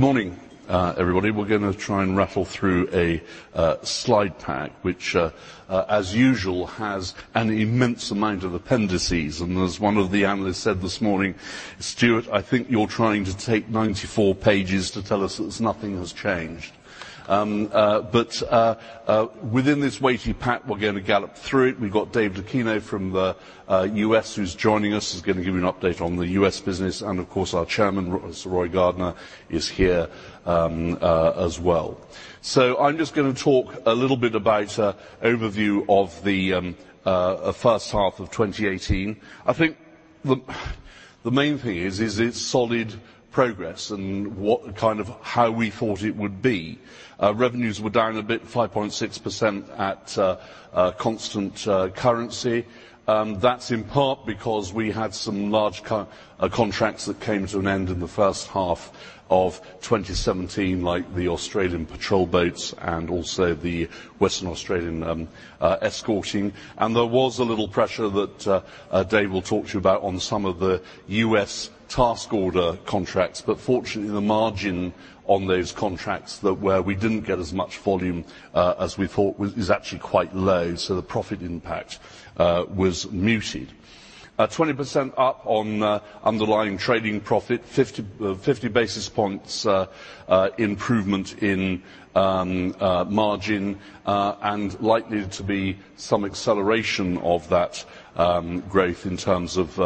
Good morning, everybody. We're going to try and rattle through a slide pack, which, as usual, has an immense amount of appendices. As one of the analysts said this morning, "Stuart, I think you're trying to take 94 pages to tell us that nothing has changed." Within this weighty pack, we're going to gallop through it. We've got Dave Dacquino from the U.S. who's joining us, who's going to give you an update on the U.S. business. Of course, our chairman, Sir Roy Gardner, is here as well. I'm just going to talk a little bit about overview of the first half of 2018. I think the main thing is it solid progress? How we thought it would be. Revenues were down a bit, 5.6% at constant currency. That's in part because we had some large contracts that came to an end in the first half of 2017, like the Australian patrol boats and also the Western Australian escorting. There was a little pressure that Dave will talk to you about on some of the U.S. task order contracts. Fortunately, the margin on those contracts where we didn't get as much volume as we thought is actually quite low, so the profit impact was muted. 20% up on underlying trading profit, 50 basis points improvement in margin, likely to be some acceleration of that growth in terms of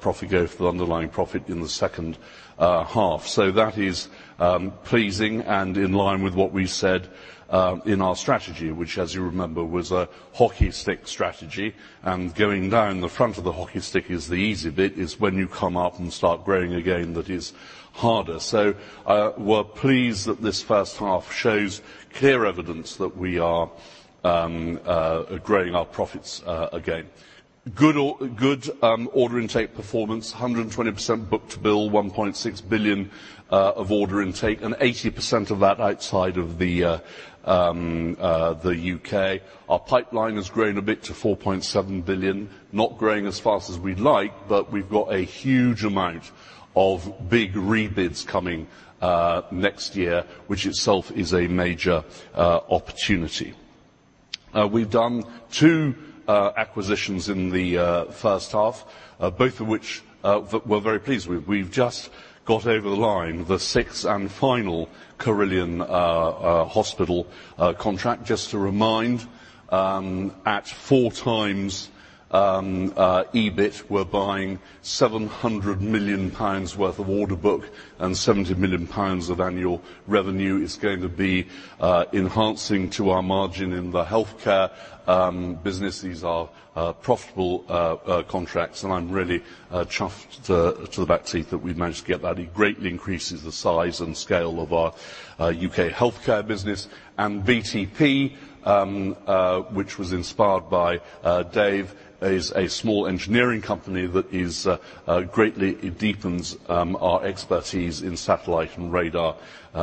profit growth for underlying profit in the second half. That is pleasing and in line with what we said in our strategy, which, as you remember, was a hockey stick strategy. Going down the front of the hockey stick is the easy bit. It's when you come up and start growing again, that is harder. We're pleased that this first half shows clear evidence that we are growing our profits again. Good order intake performance, 120% book-to-bill, 1.6 billion of order intake, 80% of that outside of the U.K. Our pipeline has grown a bit to 4.7 billion, not growing as fast as we'd like, we've got a huge amount of big rebids coming next year, which itself is a major opportunity. We've done two acquisitions in the first half, both of which we're very pleased with. We've just got over the line the sixth and final Carillion hospital contract. Just to remind, at 4 times EBIT, we're buying 700 million pounds worth of order book and 70 million pounds of annual revenue is going to be enhancing to our margin in the healthcare business. These are profitable contracts, I'm really chuffed to the back teeth that we've managed to get that. It greatly increases the size and scale of our U.K. healthcare business. BTP, which was inspired by Dave, is a small engineering company that greatly deepens our expertise in satellite and radar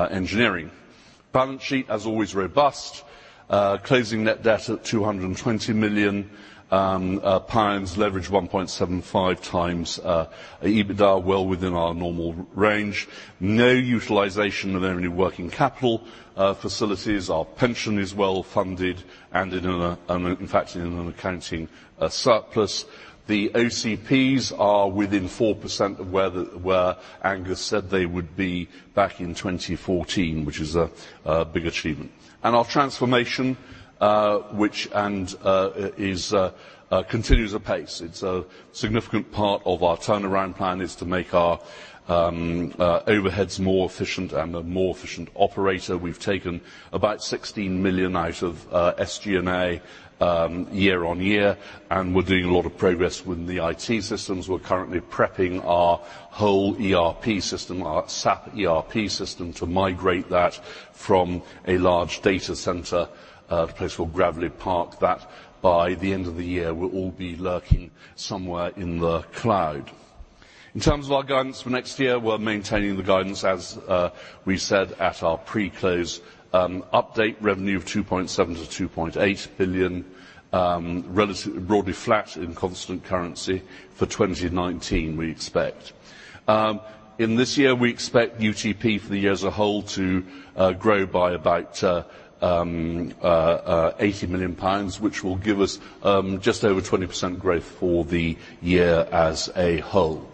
engineering. Balance sheet, as always, robust. Closing net debt at 220 million pounds. Leverage 1.75 times. EBITDA well within our normal range. No utilization of any working capital facilities. Our pension is well funded and in fact in an accounting surplus. The OCPs are within 4% of where Angus said they would be back in 2014, which is a big achievement. Our transformation, which continues apace. It's a significant part of our turnaround plan is to make our overheads more efficient and a more efficient operator. We've taken about 16 million out of SG&A year-on-year. We're doing a lot of progress with the IT systems. We're currently prepping our whole ERP system, our SAP ERP system, to migrate that from a large data center, a place called Gravelly Park, that by the end of the year will all be lurking somewhere in the cloud. In terms of our guidance for next year, we're maintaining the guidance as we said at our pre-close update revenue of 2.7 billion-2.8 billion, broadly flat in constant currency for 2019, we expect. In this year, we expect UTP for the year as a whole to grow by about 80 million pounds, which will give us just over 20% growth for the year as a whole.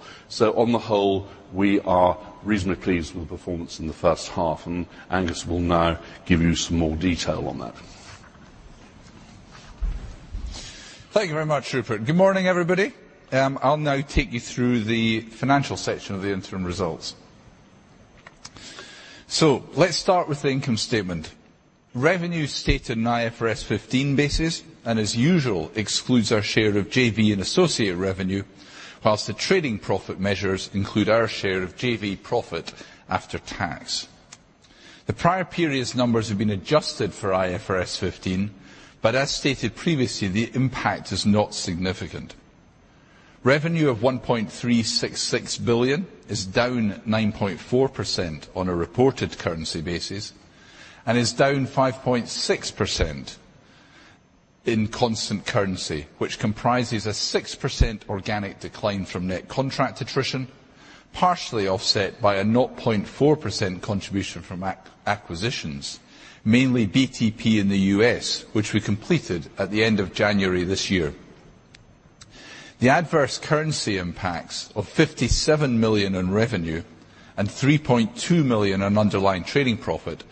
On the whole, we are reasonably pleased with the performance in the first half. Angus will now give you some more detail on that. Thank you very much, Rupert. Good morning, everybody. I'll now take you through the financial section of the interim results. Let's start with the income statement. Revenue stated in IFRS 15 basis, as usual, excludes our share of JV and associate revenue, whilst the trading profit measures include our share of JV profit after tax. The prior period's numbers have been adjusted for IFRS 15, but as stated previously, the impact is not significant. Revenue of 1.366 billion is down 9.4% on a reported currency basis and is down 5.6% in constant currency, which comprises a 6% organic decline from net contract attrition, partially offset by a 0.4% contribution from acquisitions, mainly BTP in the U.S., which we completed at the end of January this year. The adverse currency impacts of 57 million in revenue and 3.2 million in underlying trading profit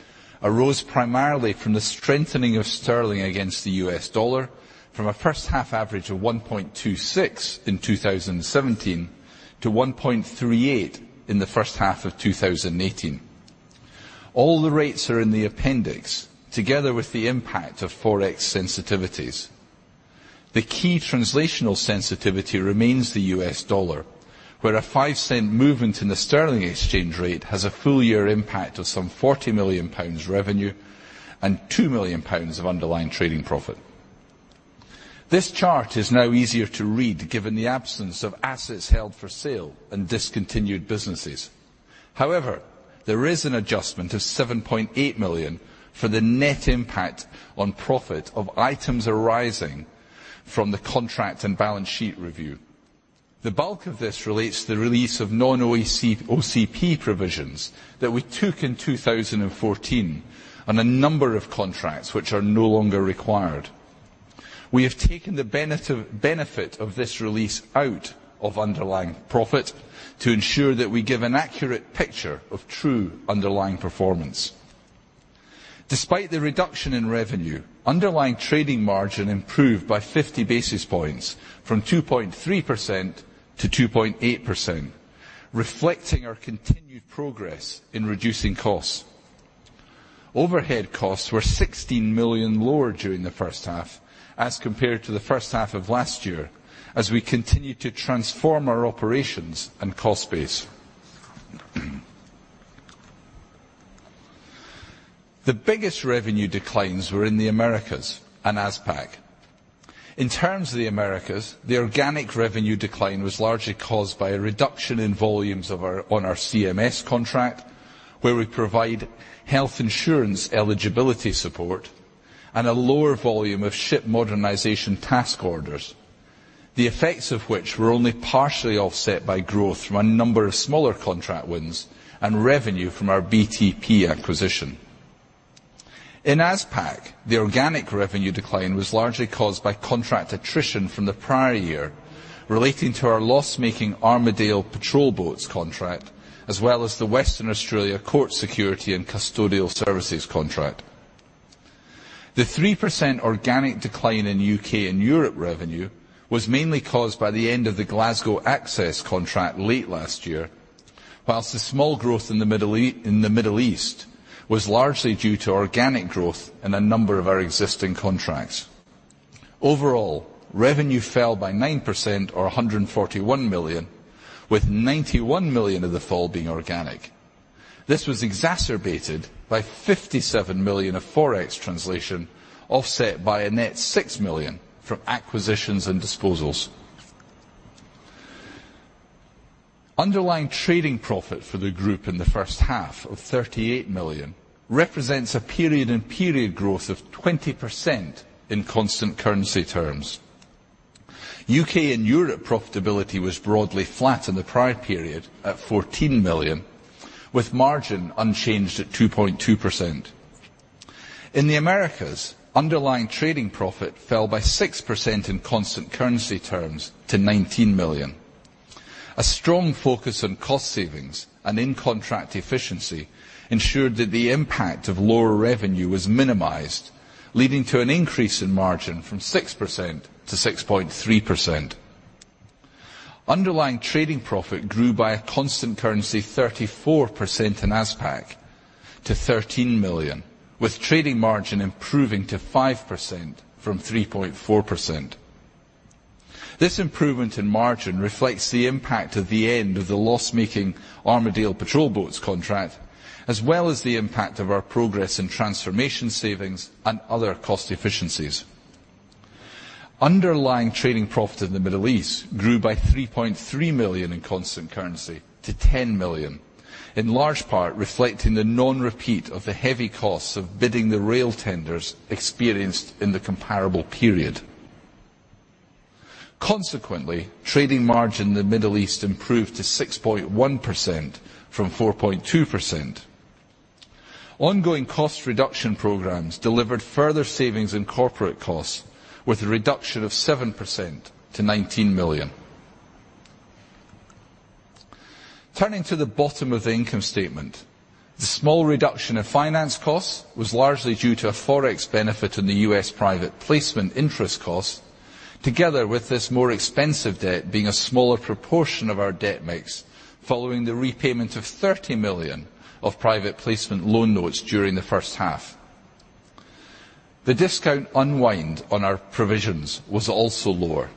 arose primarily from the strengthening of sterling against the U.S. dollar from a first half average of 1.26 in 2017 to 1.38 in the first half of 2018. All the rates are in the appendix, together with the impact of Forex sensitivities. The key translational sensitivity remains the U.S. dollar, where a 0.05 movement in the sterling exchange rate has a full year impact of some 40 million pounds revenue and 2 million pounds of underlying trading profit. This chart is now easier to read given the absence of assets held for sale and discontinued businesses. There is an adjustment of 7.8 million for the net impact on profit of items arising from the contract and balance sheet review. The bulk of this relates to the release of non-OCP provisions that we took in 2014 on a number of contracts which are no longer required. We have taken the benefit of this release out of underlying profit to ensure that we give an accurate picture of true underlying performance. Despite the reduction in revenue, underlying trading margin improved by 50 basis points from 2.3% to 2.8%, reflecting our continued progress in reducing costs. Overhead costs were 16 million lower during the first half as compared to the first half of last year as we continue to transform our operations and cost base. The biggest revenue declines were in the Americas and APAC. In terms of the Americas, the organic revenue decline was largely caused by a reduction in volumes on our CMS contract, where we provide health insurance eligibility support and a lower volume of ship modernization task orders, the effects of which were only partially offset by growth from a number of smaller contract wins and revenue from our BTP acquisition. In APAC, the organic revenue decline was largely caused by contract attrition from the prior year relating to our loss-making Armidale patrol boats contract, as well as the Western Australia Court Security and Custodial Services contract. The 3% organic decline in U.K. and Europe revenue was mainly caused by the end of the Glasgow ACCESS contract late last year, whilst the small growth in the Middle East was largely due to organic growth in a number of our existing contracts. Overall, revenue fell by 9% or 141 million, with 91 million of the fall being organic. This was exacerbated by 57 million of Forex translation, offset by a net 6 million from acquisitions and disposals. Underlying trading profit for the group in the first half of 38 million represents a period and period growth of 20% in constant currency terms. U.K. and Europe profitability was broadly flat in the prior period at 14 million, with margin unchanged at 2.2%. In the Americas, underlying trading profit fell by 6% in constant currency terms to 19 million. A strong focus on cost savings and in-contract efficiency ensured that the impact of lower revenue was minimized, leading to an increase in margin from 6% to 6.3%. Underlying trading profit grew by a constant currency 34% in APAC to 13 million, with trading margin improving to 5% from 3.4%. This improvement in margin reflects the impact of the end of the loss-making Armidale patrol boats contract, as well as the impact of our progress in transformation savings and other cost efficiencies. Underlying trading profit in the Middle East grew by 3.3 million in constant currency to 10 million, in large part reflecting the non-repeat of the heavy costs of bidding the rail tenders experienced in the comparable period. Consequently, trading margin in the Middle East improved to 6.1% from 4.2%. Ongoing cost reduction programs delivered further savings in corporate costs with a reduction of 7% to 19 million. Turning to the bottom of the income statement, the small reduction of finance costs was largely due to a Forex benefit in the U.S. private placement interest cost, together with this more expensive debt being a smaller proportion of our debt mix following the repayment of 30 million of private placement loan notes during the first half. The discount unwind on our provisions was also lower,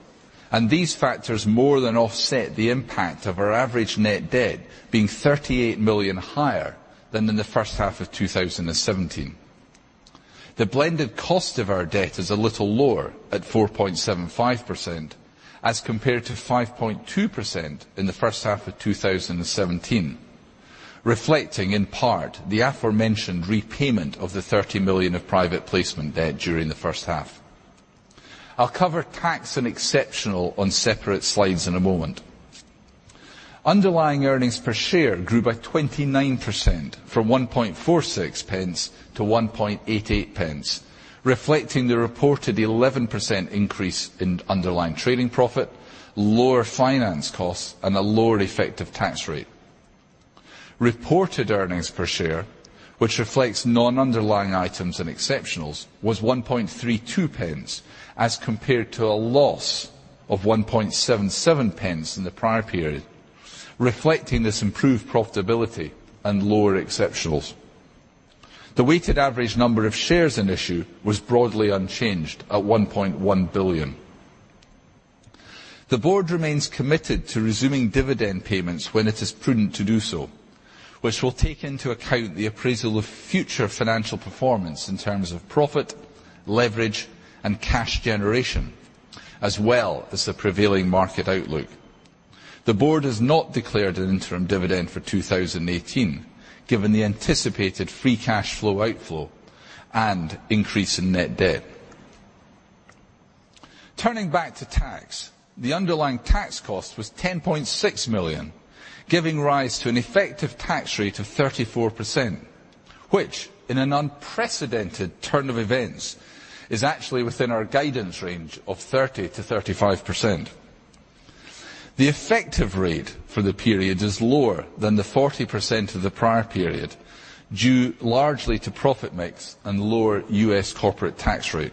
and these factors more than offset the impact of our average net debt being 38 million higher than in the first half of 2017. The blended cost of our debt is a little lower at 4.75% as compared to 5.2% in the first half of 2017. Reflecting in part the aforementioned repayment of the 30 million of private placement debt during the first half. I'll cover tax and exceptional on separate slides in a moment. Underlying earnings per share grew by 29%, from 0.0146 to 0.0188, reflecting the reported 11% increase in underlying trading profit, lower finance costs, and a lower effective tax rate. Reported earnings per share, which reflects non-underlying items and exceptionals, was 0.0132 as compared to a loss of 0.0177 in the prior period, reflecting this improved profitability and lower exceptionals. The weighted average number of shares in issue was broadly unchanged at 1.1 billion. The board remains committed to resuming dividend payments when it is prudent to do so, which will take into account the appraisal of future financial performance in terms of profit, leverage, and cash generation, as well as the prevailing market outlook. The board has not declared an interim dividend for 2018, given the anticipated free cash flow outflow and increase in net debt. Turning back to tax, the underlying tax cost was 10.6 million, giving rise to an effective tax rate of 34%, which, in an unprecedented turn of events, is actually within our guidance range of 30%-35%. The effective rate for the period is lower than the 40% of the prior period, due largely to profit mix and lower U.S. corporate tax rate.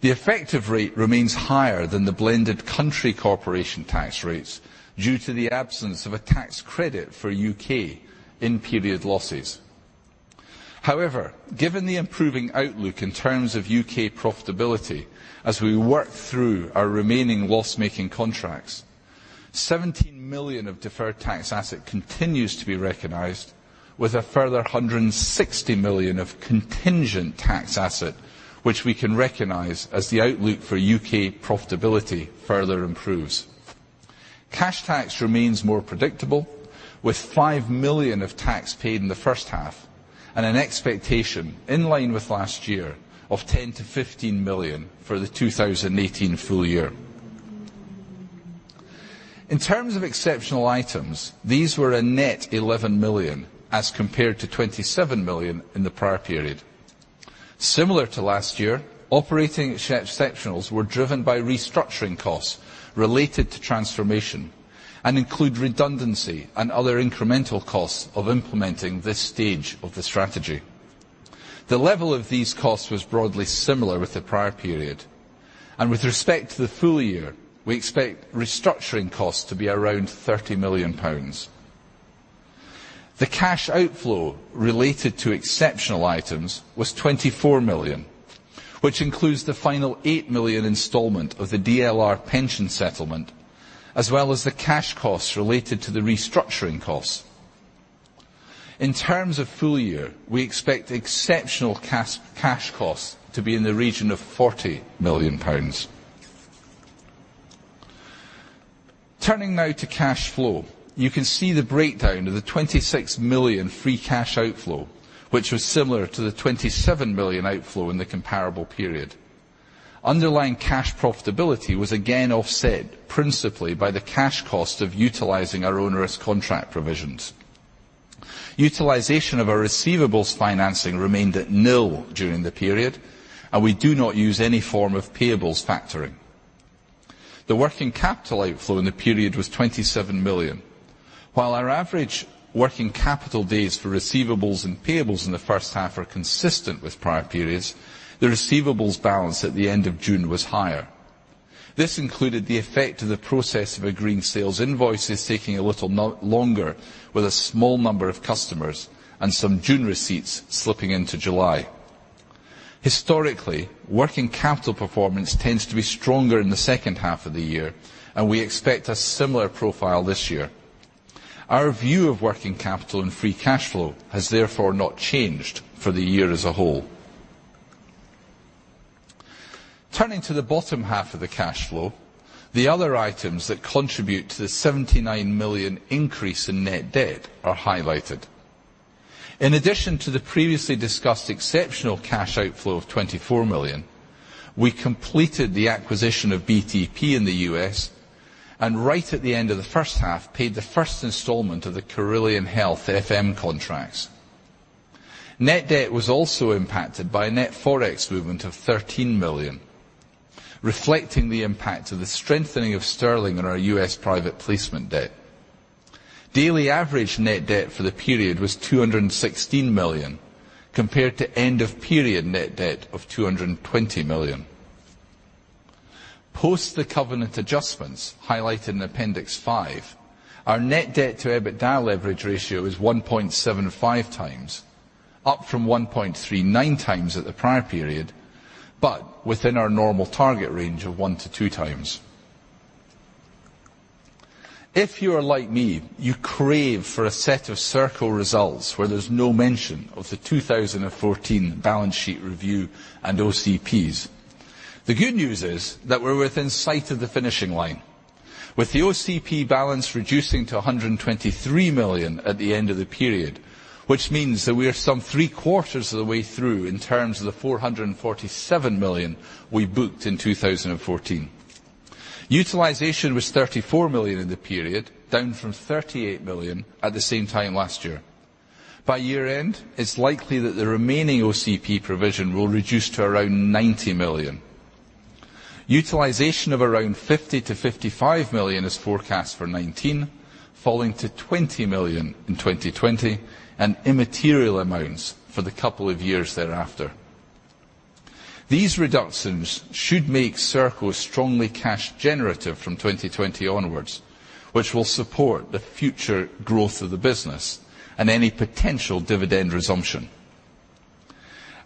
The effective rate remains higher than the blended country corporation tax rates due to the absence of a tax credit for U.K. in period losses. However, given the improving outlook in terms of U.K. profitability, as we work through our remaining loss-making contracts, 17 million of deferred tax asset continues to be recognized with a further 160 million of contingent tax asset, which we can recognize as the outlook for U.K. profitability further improves. Cash tax remains more predictable, with 5 million of tax paid in the first half, and an expectation, in line with last year, of 10 million-15 million for the 2018 full year. In terms of exceptional items, these were a net 11 million, as compared to 27 million in the prior period. Similar to last year, operating exceptionals were driven by restructuring costs related to transformation, and include redundancy and other incremental costs of implementing this stage of the strategy. The level of these costs was broadly similar with the prior period, and with respect to the full year, we expect restructuring costs to be around 30 million pounds. The cash outflow related to exceptional items was 24 million, which includes the final 8 million installment of the DLR pension settlement, as well as the cash costs related to the restructuring costs. In terms of full year, we expect exceptional cash costs to be in the region of 40 million pounds. Turning now to cash flow. You can see the breakdown of the 26 million free cash outflow, which was similar to the 27 million outflow in the comparable period. Underlying cash profitability was again offset principally by the cash cost of utilizing our onerous contract provisions. Utilization of our receivables financing remained at nil during the period, and we do not use any form of payables factoring. The working capital outflow in the period was 27 million. While our average working capital days for receivables and payables in the first half are consistent with prior periods, the receivables balance at the end of June was higher. This included the effect of the process of agreeing sales invoices taking a little longer with a small number of customers and some June receipts slipping into July. Historically, working capital performance tends to be stronger in the second half of the year, and we expect a similar profile this year. Our view of working capital and free cash flow has therefore not changed for the year as a whole. Turning to the bottom half of the cash flow, the other items that contribute to the 79 million increase in net debt are highlighted. In addition to the previously discussed exceptional cash outflow of 24 million, we completed the acquisition of BTP in the U.S., and right at the end of the first half, paid the first installment of the Carillion Health FM contracts. Net debt was also impacted by a net Forex movement of 13 million, reflecting the impact of the strengthening of sterling on our U.S. private placement debt. Daily average net debt for the period was 216 million, compared to end of period net debt of 220 million. Post the covenant adjustments highlighted in appendix five, our net debt to EBITDA leverage ratio is 1.75 times, up from 1.39 times at the prior period, but within our normal target range of one to two times. If you are like me, you crave for a set of Serco results where there's no mention of the 2014 balance sheet review and OCPs. The good news is that we're within sight of the finishing line. With the OCP balance reducing to 123 million at the end of the period, which means that we are some three quarters of the way through in terms of the 447 million we booked in 2014. Utilization was 34 million in the period, down from 38 million at the same time last year. By year end, it's likely that the remaining OCP provision will reduce to around 90 million. Utilization of around 50 million-55 million is forecast for 2019, falling to 20 million in 2020, and immaterial amounts for the couple of years thereafter. These reductions should make Serco strongly cash generative from 2020 onwards, which will support the future growth of the business and any potential dividend resumption.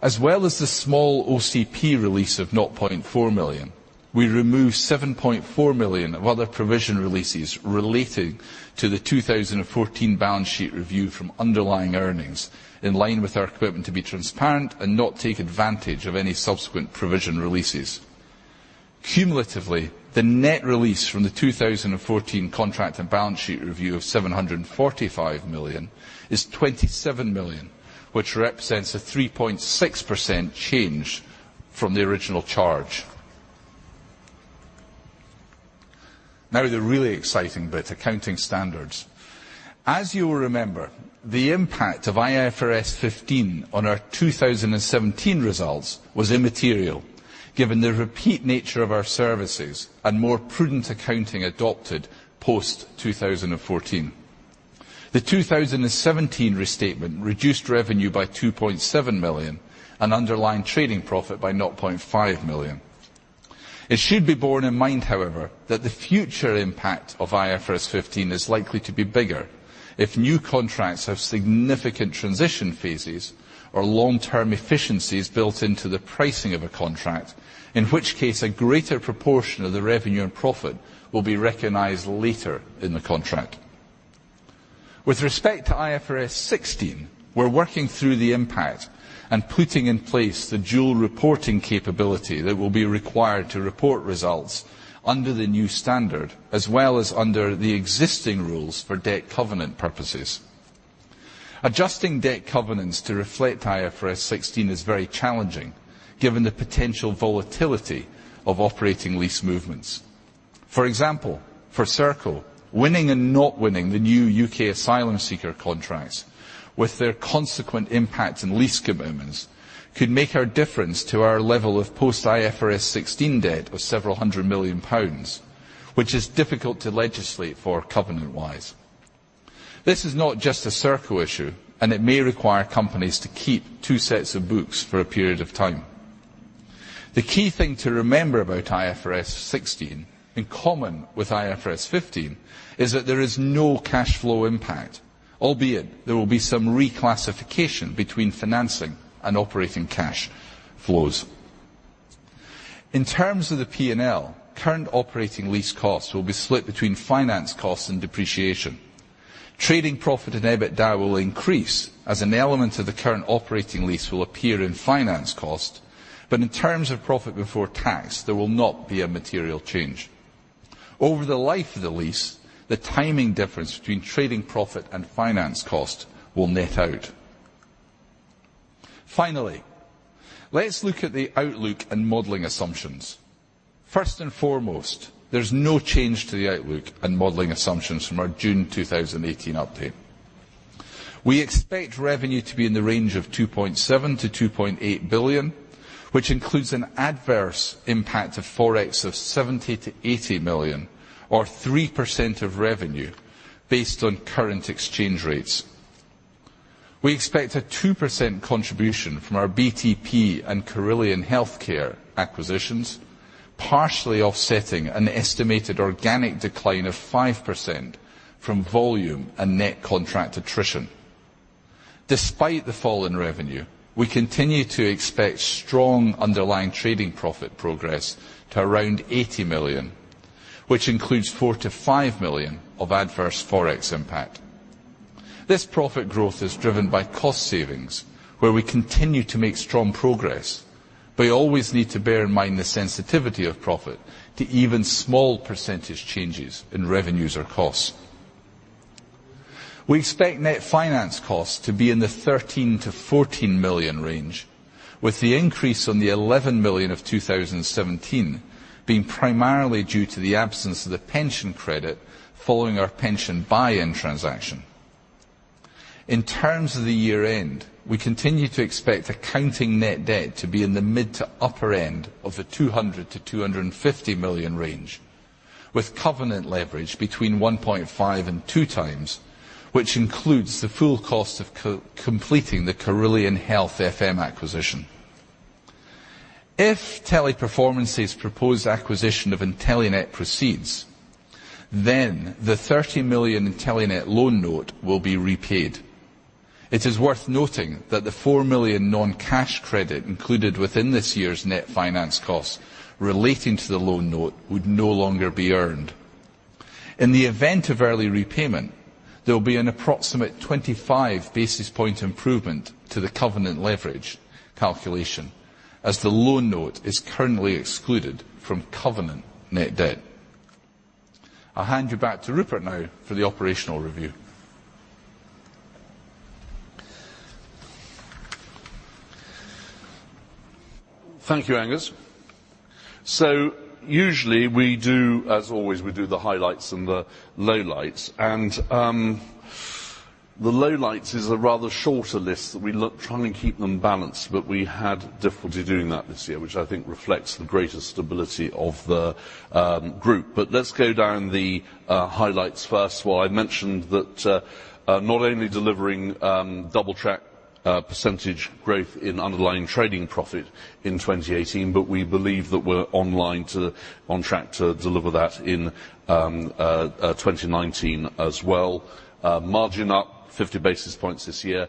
As well as the small OCP release of 0.4 million, we remove 7.4 million of other provision releases relating to the 2014 balance sheet review from underlying earnings, in line with our commitment to be transparent and not take advantage of any subsequent provision releases. Cumulatively, the net release from the 2014 contract and balance sheet review of 745 million is 27 million, which represents a 3.6% change from the original charge. Now the really exciting bit, accounting standards. As you will remember, the impact of IFRS 15 on our 2017 results was immaterial given the repeat nature of our services and more prudent accounting adopted post-2014. The 2017 restatement reduced revenue by 2.7 million, and underlying trading profit by 0.5 million. It should be borne in mind, however, that the future impact of IFRS 15 is likely to be bigger if new contracts have significant transition phases or long-term efficiencies built into the pricing of a contract, in which case a greater proportion of the revenue and profit will be recognized later in the contract. With respect to IFRS 16, we're working through the impact and putting in place the dual reporting capability that will be required to report results under the new standard, as well as under the existing rules for debt covenant purposes. Adjusting debt covenants to reflect IFRS 16 is very challenging given the potential volatility of operating lease movements. For example, for Serco, winning and not winning the new U.K. asylum seeker contracts with their consequent impact on lease commitments could make a difference to our level of post IFRS 16 debt of several hundred million GBP, which is difficult to legislate for covenant-wise. This is not just a Serco issue, and it may require companies to keep two sets of books for a period of time. The key thing to remember about IFRS 16, in common with IFRS 15, is that there is no cash flow impact, albeit there will be some reclassification between financing and operating cash flows. In terms of the P&L, current operating lease costs will be split between finance costs and depreciation. Trading profit and EBITDA will increase as an element of the current operating lease will appear in finance cost. In terms of profit before tax, there will not be a material change. Over the life of the lease, the timing difference between trading profit and finance cost will net out. Finally, let's look at the outlook and modeling assumptions. First and foremost, there's no change to the outlook and modeling assumptions from our June 2018 update. We expect revenue to be in the range of 2.7 billion-2.8 billion, which includes an adverse impact of ForEx of 70 million-80 million, or 3% of revenue based on current exchange rates. We expect a 2% contribution from our BTP and Carillion Healthcare acquisitions, partially offsetting an estimated organic decline of 5% from volume and net contract attrition. Despite the fall in revenue, we continue to expect strong underlying trading profit progress to around 80 million, which includes 4 million-5 million of adverse ForEx impact. This profit growth is driven by cost savings, where we continue to make strong progress. We always need to bear in mind the sensitivity of profit to even small percentage changes in revenues or costs. We expect net finance costs to be in the 13 million-14 million range, with the increase on the 11 million of 2017 being primarily due to the absence of the pension credit following our pension buy-in transaction. In terms of the year-end, we continue to expect accounting net debt to be in the mid to upper end of the 200 million-250 million range, with covenant leverage between 1.5 and two times, which includes the full cost of completing the Carillion Health FM acquisition. If Teleperformance's proposed acquisition of Intelenet proceeds, then the 30 million Intelenet loan note will be repaid. It is worth noting that the 4 million non-cash credit included within this year's net finance cost relating to the loan note would no longer be earned. In the event of early repayment, there will be an approximate 25 basis point improvement to the covenant leverage calculation as the loan note is currently excluded from covenant net debt. I'll hand you back to Rupert now for the operational review. Thank you, Angus. Usually, as always, we do the highlights and the lowlights. The lowlights is a rather shorter list that we trying to keep them balanced, but we had difficulty doing that this year, which I think reflects the greater stability of the group. Let's go down the highlights first. I mentioned that not only delivering double-track percentage growth in underlying trading profit in 2018, but we believe that we're on track to deliver that in 2019 as well. Margin up 50 basis points this year.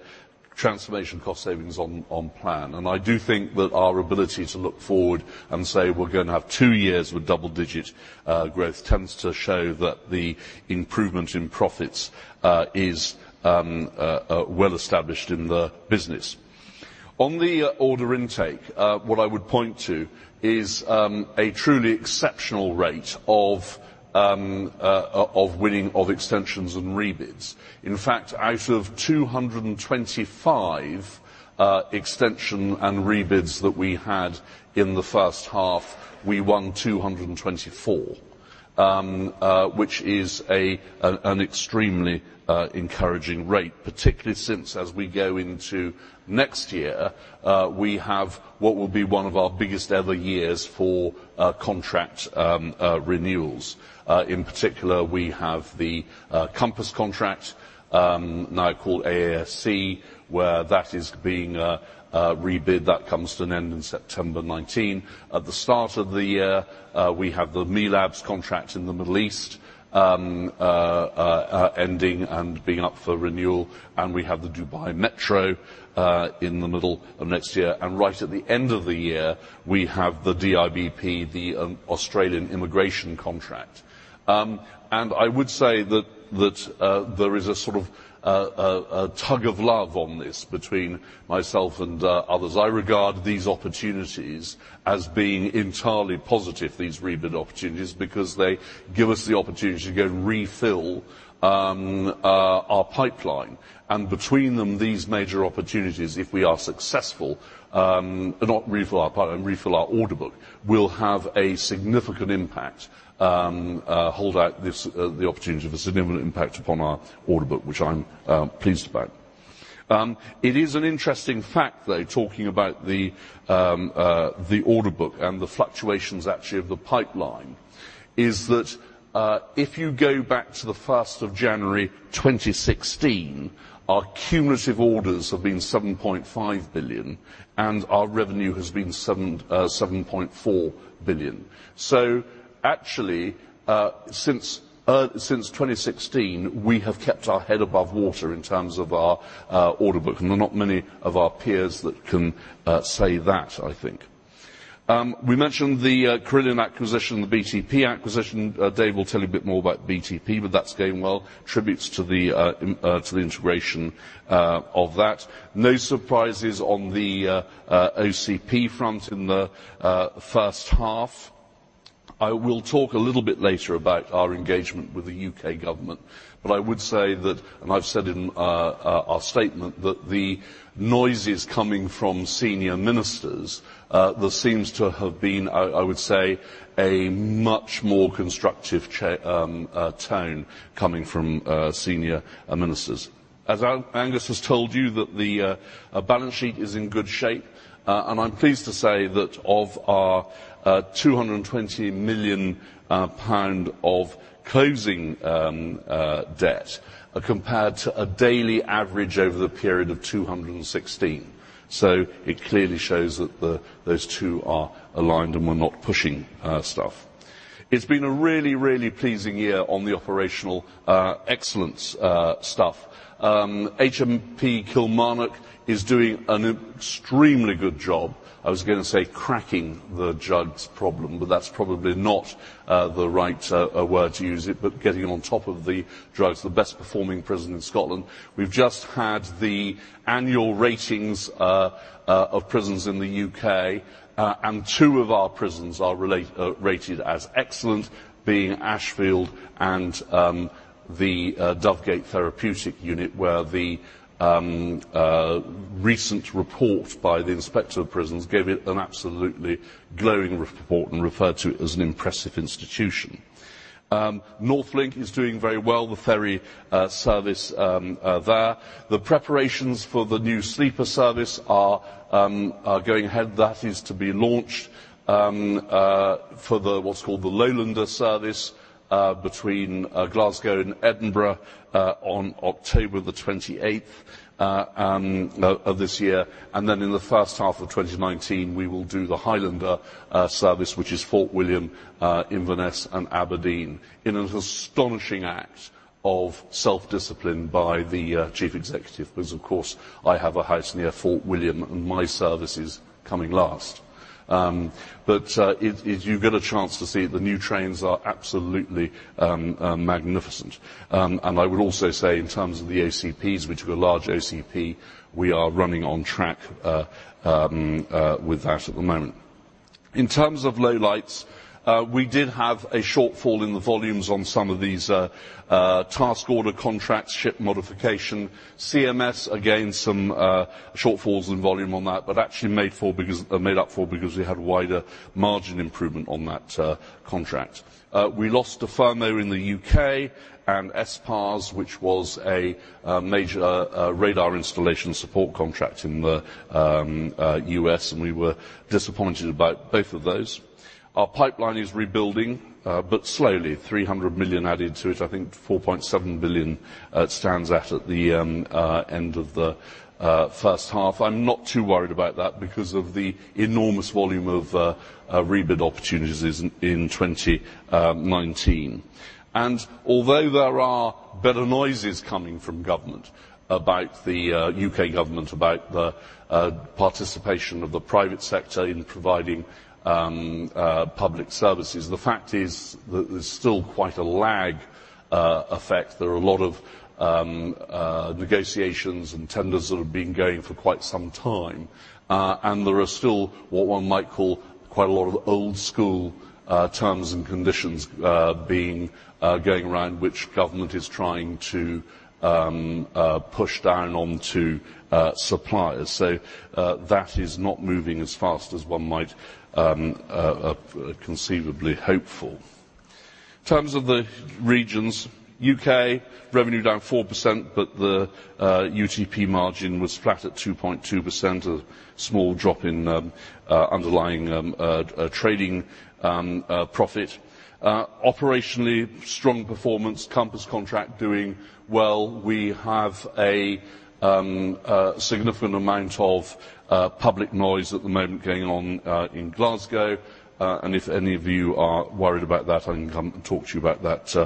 Transformation cost savings on plan. I do think that our ability to look forward and say we're going to have two years with double-digit growth tends to show that the improvement in profits is well established in the business. On the order intake, what I would point to is a truly exceptional rate of winning of extensions and rebids. In fact, out of 225 extension and rebids that we had in the first half, we won 224, which is an extremely encouraging rate, particularly since as we go into next year, we have what will be one of our biggest ever years for contract renewals. In particular, we have the COMPASS contract, now called AASC, where that is being rebid. That comes to an end in September 2019. At the start of the year, we have the MELABS contract in the Middle East ending and being up for renewal, and we have the Dubai Metro in the middle of next year. Right at the end of the year, we have the DIBP, the Australian immigration contract. I would say that there is a sort of tug of love on this between myself and others. I regard these opportunities as being entirely positive, these rebid opportunities, because they give us the opportunity to go refill our pipeline. Between them, these major opportunities, if we are successful, not refill our pipeline, refill our order book, will have a significant impact, hold out the opportunity of a significant impact upon our order book, which I'm pleased about. It is an interesting fact, though, talking about the order book and the fluctuations actually of the pipeline, is that if you go back to the 1st of January 2016, our cumulative orders have been 7.5 billion, and our revenue has been 7.4 billion. Actually, since 2016, we have kept our head above water in terms of our order book. There are not many of our peers that can say that, I think. We mentioned the Carillion acquisition, the BTP acquisition. Dave will tell you a bit more about BTP, but that's going well. Tributes to the integration of that. No surprises on the OCP front in the first half. I will talk a little bit later about our engagement with the U.K. government. I would say that, and I've said in our statement, that the noises coming from senior ministers, there seems to have been, I would say, a much more constructive tone coming from senior ministers. As Angus has told you that the balance sheet is in good shape, and I'm pleased to say that of our 220 million pound of closing debt are compared to a daily average over the period of 216 million. It clearly shows that those two are aligned and we're not pushing stuff. It's been a really pleasing year on the operational excellence stuff. HMP Kilmarnock is doing an extremely good job, I was going to say cracking the drugs problem, but that's probably not the right word to use it, but getting on top of the drugs, the best performing prison in Scotland. We've just had the annual ratings of prisons in the U.K., and two of our prisons are rated as excellent, being Ashfield and the Dovegate Therapeutic Unit, where the recent report by the Inspector of Prisons gave it an absolutely glowing report and referred to it as an impressive institution. NorthLink is doing very well, the ferry service there. The preparations for the new sleeper service are going ahead. That is to be launched for what's called the Lowlander service between Glasgow and Edinburgh on October 28th of this year. Then in the first half of 2019, we will do the Highlander service, which is Fort William, Inverness, and Aberdeen, in an astonishing act of self-discipline by the Chief Executive because, of course, I have a house near Fort William and my service is coming last. If you get a chance to see it, the new trains are absolutely magnificent. I would also say in terms of the OCPs, which were large OCP, we are running on track with that at the moment. In terms of lowlights, we did have a shortfall in the volumes on some of these task order contracts, ship modification. CMS, again, some shortfalls in volume on that, but actually made up for because we had wider margin improvement on that contract. We lost to Firmoo in the U.K. and SSPARS, which was a major radar installation support contract in the U.S., we were disappointed about both of those. Our pipeline is rebuilding, but slowly. 300 million added to it, I think to 4.7 billion it stands at the end of the first half. I'm not too worried about that because of the enormous volume of rebid opportunities in 2019. Although there are better noises coming from government about the U.K. government, about the participation of the private sector in providing public services, the fact is that there's still quite a lag effect. There are a lot of negotiations and tenders that have been going for quite some time. There are still what one might call quite a lot of old-school terms and conditions going around which government is trying to push down onto suppliers. That is not moving as fast as one might conceivably hope for. In terms of the regions, U.K. revenue down 4%, but the UTP margin was flat at 2.2%, a small drop in underlying trading profit. Operationally, strong performance, COMPASS contract doing well. We have a significant amount of public noise at the moment going on in Glasgow. If any of you are worried about that, I can come and talk to you about that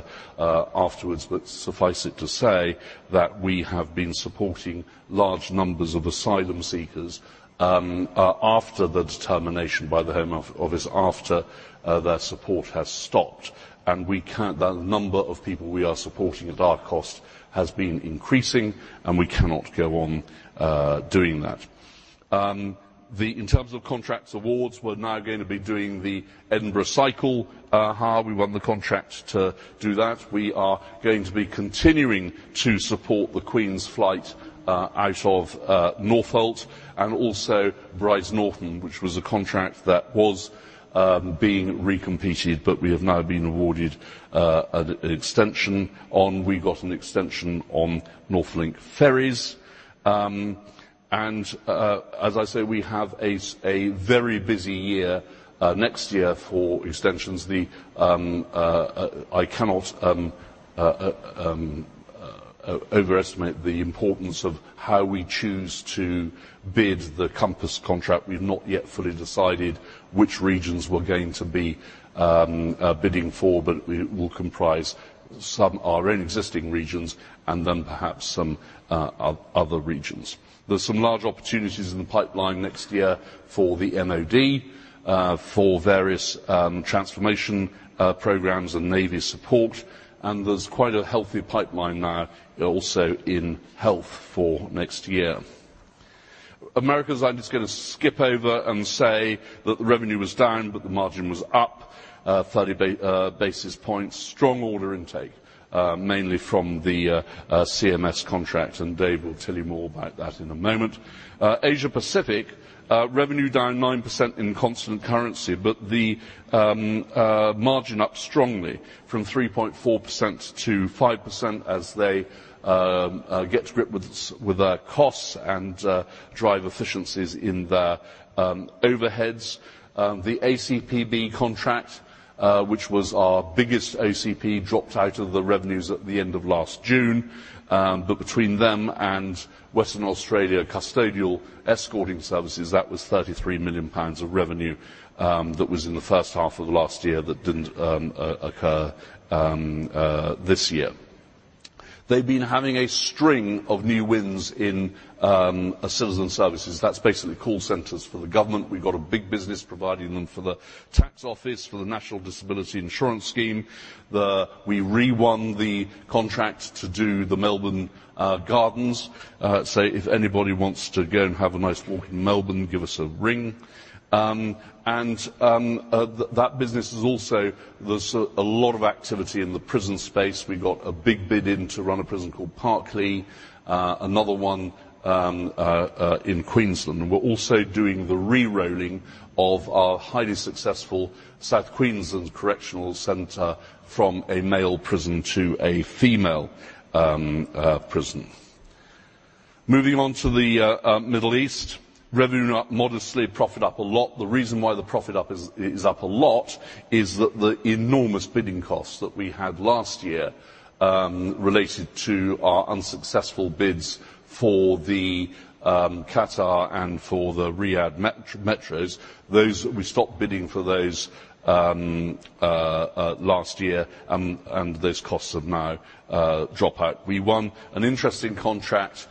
afterwards. But suffice it to say that we have been supporting large numbers of asylum seekers after the determination by the Home Office, after their support has stopped. The number of people we are supporting at our cost has been increasing, and we cannot go on doing that. In terms of contracts awards, we're now going to be doing the Edinburgh cycle. We won the contract to do that. We are going to be continuing to support The Queen's Flight out of Northolt and also Brize Norton, which was a contract that was being recompeted, but we have now been awarded an extension on. We got an extension on NorthLink Ferries. As I say, we have a very busy year next year for extensions. I cannot overestimate the importance of how we choose to bid the COMPASS contract. We've not yet fully decided which regions we're going to be bidding for, but it will comprise some our own existing regions and then perhaps some other regions. There's some large opportunities in the pipeline next year for the MOD, for various transformation programs and Navy support, there's quite a healthy pipeline now also in health for next year. Americas, I'm just going to skip over and say that the revenue was down, but the margin was up 30 basis points. Strong order intake mainly from the CMS contract, Dave will tell you more about that in a moment. Asia-Pacific, revenue down 9% in constant currency, but the margin up strongly from 3.4% to 5% as they get to grip with their costs and drive efficiencies in their overheads. The ACPB contract which was our biggest OCP, dropped out of the revenues at the end of last June. Between them and Western Australia Custodial Escorting Services, that was 33 million pounds of revenue that was in the first half of last year that didn't occur this year. They've been having a string of new wins in Citizen Services. That's basically call centers for the government. We've got a big business providing them for the tax office, for the National Disability Insurance Scheme. We re-won the contract to do the Melbourne Gardens. If anybody wants to go and have a nice walk in Melbourne, give us a ring. That business is also, there's a lot of activity in the prison space. We got a big bid in to run a prison called Parklea, another one in Queensland. And we're also doing the re-rolling of our highly successful Southern Queensland Correctional Centre from a male prison to a female prison. Moving on to the Middle East. Revenue up modestly, profit up a lot. The reason why the profit is up a lot is that the enormous bidding costs that we had last year related to our unsuccessful bids for the Qatar and for the Riyadh Metros. We stopped bidding for those last year, and those costs have now dropped out. We won an interesting contract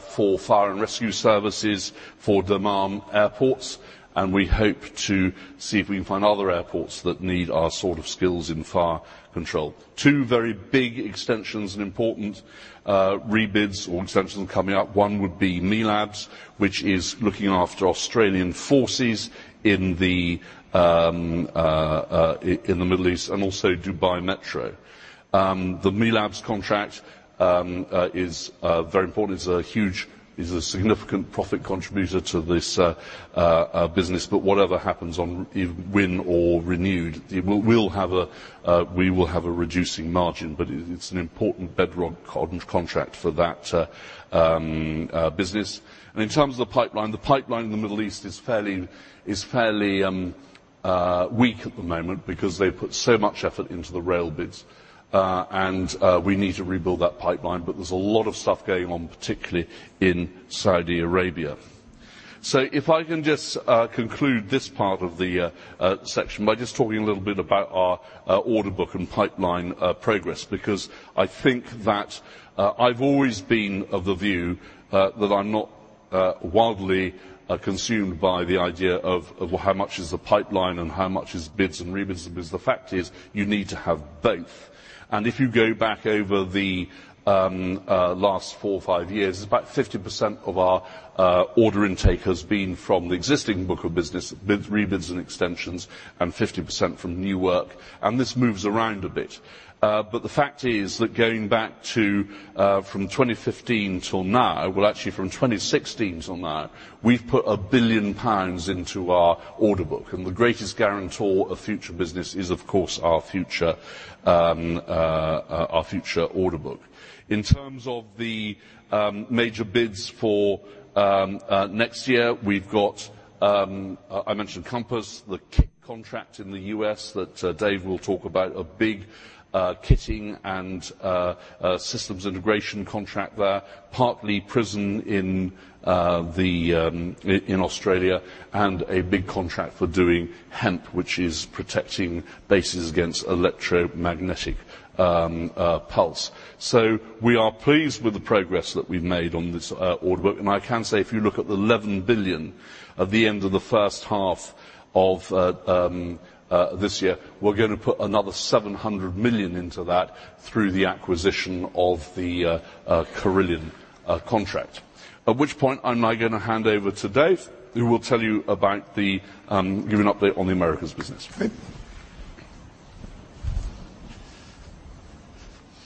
for fire and rescue services for Dammam airports, and we hope to see if we can find other airports that need our sort of skills in fire control. Two very big extensions and important rebids or extensions coming up. One would be MELABS, which is looking after Australian forces in the Middle East, and also Dubai Metro. The MELABS contract is very important. It's a significant profit contributor to this business. Whatever happens on win or renewed, we will have a reducing margin. It's an important bedrock contract for that business. In terms of the pipeline, the pipeline in the Middle East is fairly weak at the moment because they put so much effort into the rail bids, and we need to rebuild that pipeline. There's a lot of stuff going on, particularly in Saudi Arabia. If I can just conclude this part of the section by just talking a little bit about our order book and pipeline progress, because I think that I've always been of the view that I'm not wildly consumed by the idea of how much is the pipeline and how much is bids and re-bids. The fact is, you need to have both. If you go back over the last four or five years, about 50% of our order intake has been from the existing book of business, re-bids and extensions, and 50% from new work. This moves around a bit. The fact is that going back to from 2015 till now, well, actually from 2016 till now, we've put 1 billion pounds into our order book. The greatest guarantor of future business is, of course, our future order book. In terms of the major bids for next year, we've got, I mentioned COMPASS, the kit contract in the U.S. that Dave will talk about, a big kitting and systems integration contract there, Parklea prison in Australia, and a big contract for doing HEMP, which is protecting bases against electromagnetic pulse. We are pleased with the progress that we've made on this order book. I can say, if you look at the 11 billion at the end of the first half of this year, we're going to put another 700 million into that through the acquisition of the Carillion contract. At which point, I'm now going to hand over to Dave, who will give an update on the Americas business. Great.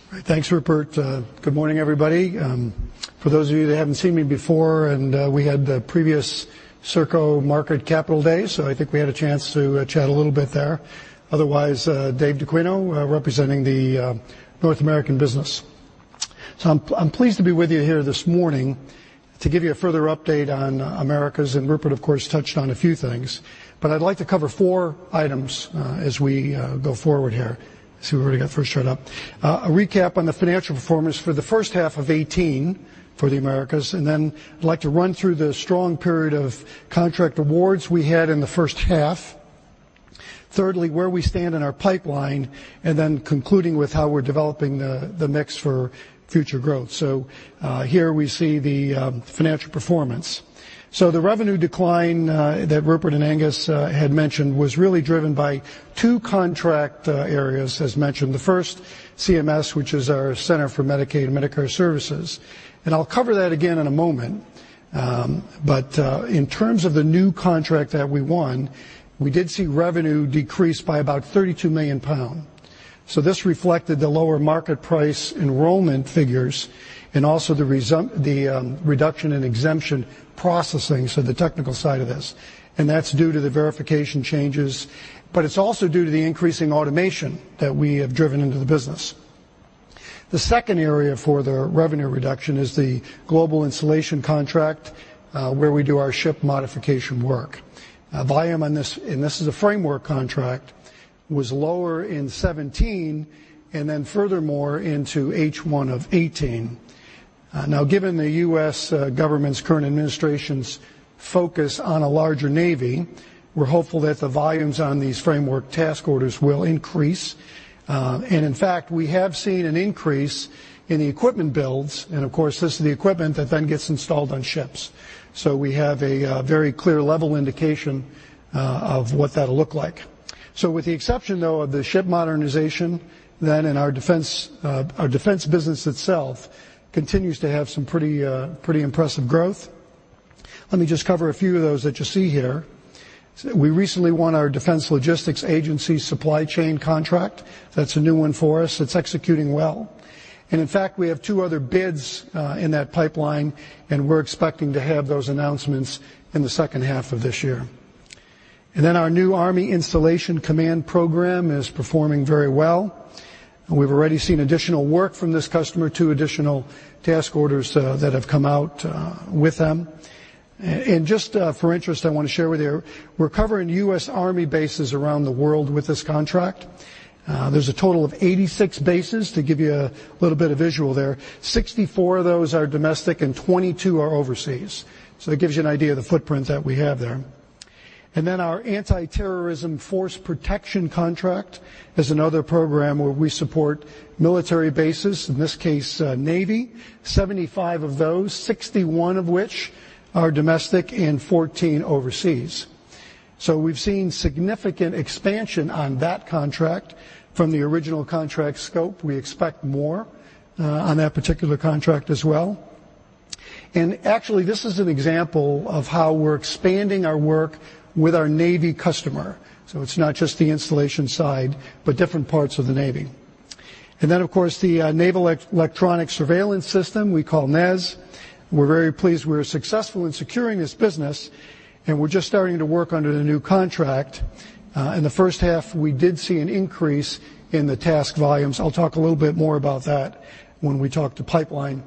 All right. Thanks, Rupert. Good morning, everybody. For those of you that haven't seen me before, We had the previous Serco Capital Markets Day, I think we had a chance to chat a little bit there. Otherwise, Dave Dacquino, representing the North American business. I'm pleased to be with you here this morning to give you a further update on Americas, Rupert, of course, touched on a few things. I'd like to cover four items as we go forward here. See what we got first right up. A recap on the financial performance for the first half of 2018 for the Americas, I'd like to run through the strong period of contract awards we had in the first half, Thirdly, where we stand in our pipeline, Concluding with how we're developing the mix for future growth. Here we see the financial performance. The revenue decline that Rupert and Angus had mentioned was really driven by two contract areas, as mentioned. The first, CMS, which is our Center for Medicaid and Medicare Services. I'll cover that again in a moment. In terms of the new contract that we won, we did see revenue decrease by about 32 million pounds. This reflected the lower market price enrollment figures and also the reduction in exemption processing, so the technical side of this. That's due to the verification changes, it's also due to the increasing automation that we have driven into the business. The second area for the revenue reduction is the global installation contract, where we do our ship modification work. Volume on this, and this is a framework contract, was lower in 2017 and furthermore into H1 of 2018. Given the U.S. government's current administration's focus on a larger Navy, we're hopeful that the volumes on these framework task orders will increase. In fact, we have seen an increase in the equipment builds, of course, this is the equipment that then gets installed on ships. We have a very clear level indication of what that'll look like. With the exception, though, of the ship modernization, in our defense business itself continues to have some pretty impressive growth. Let me just cover a few of those that you see here. We recently won our Defense Logistics Agency supply chain contract. That's a new one for us. It's executing well. In fact, we have two other bids in that pipeline. We're expecting to have those announcements in the second half of this year. Our new U.S. Army Installation Command program is performing very well. We've already seen additional work from this customer, two additional task orders that have come out with them. Just for interest, I want to share with you, we're covering U.S. Army bases around the world with this contract. There's a total of 86 bases to give you a little bit of visual there. 64 of those are domestic and 22 are overseas. That gives you an idea of the footprint that we have there. Our anti-terrorism force protection contract is another program where we support military bases, in this case, Navy, 75 of those, 61 of which are domestic and 14 overseas. We've seen significant expansion on that contract from the original contract scope. We expect more on that particular contract as well. Actually, this is an example of how we're expanding our work with our Navy customer. It's not just the installation side, but different parts of the Navy. Of course, the Naval Electronic Surveillance System, we call NES. We're very pleased we were successful in securing this business, and we're just starting to work under the new contract. In the first half, we did see an increase in the task volumes. I'll talk a little bit more about that when we talk to pipeline.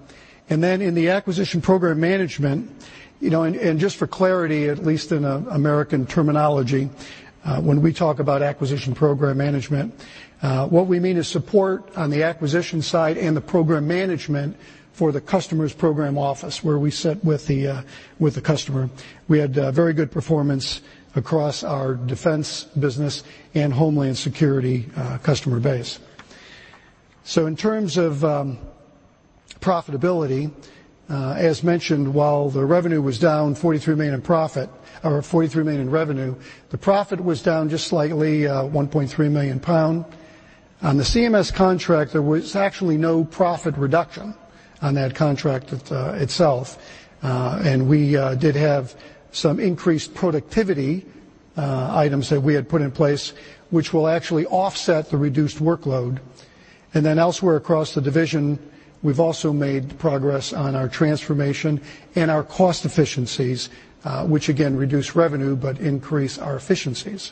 Just for clarity, at least in American terminology, when we talk about acquisition program management, what we mean is support on the acquisition side and the program management for the customer's program office, where we sit with the customer. We had very good performance across our defense business and Homeland Security customer base. In terms of profitability, as mentioned, while the revenue was down 43 million in revenue, the profit was down just slightly, 1.3 million pound. On the CMS contract, there was actually no profit reduction on that contract itself. We did have some increased productivity items that we had put in place, which will actually offset the reduced workload. Elsewhere across the division, we've also made progress on our transformation and our cost efficiencies, which again, reduce revenue, but increase our efficiencies.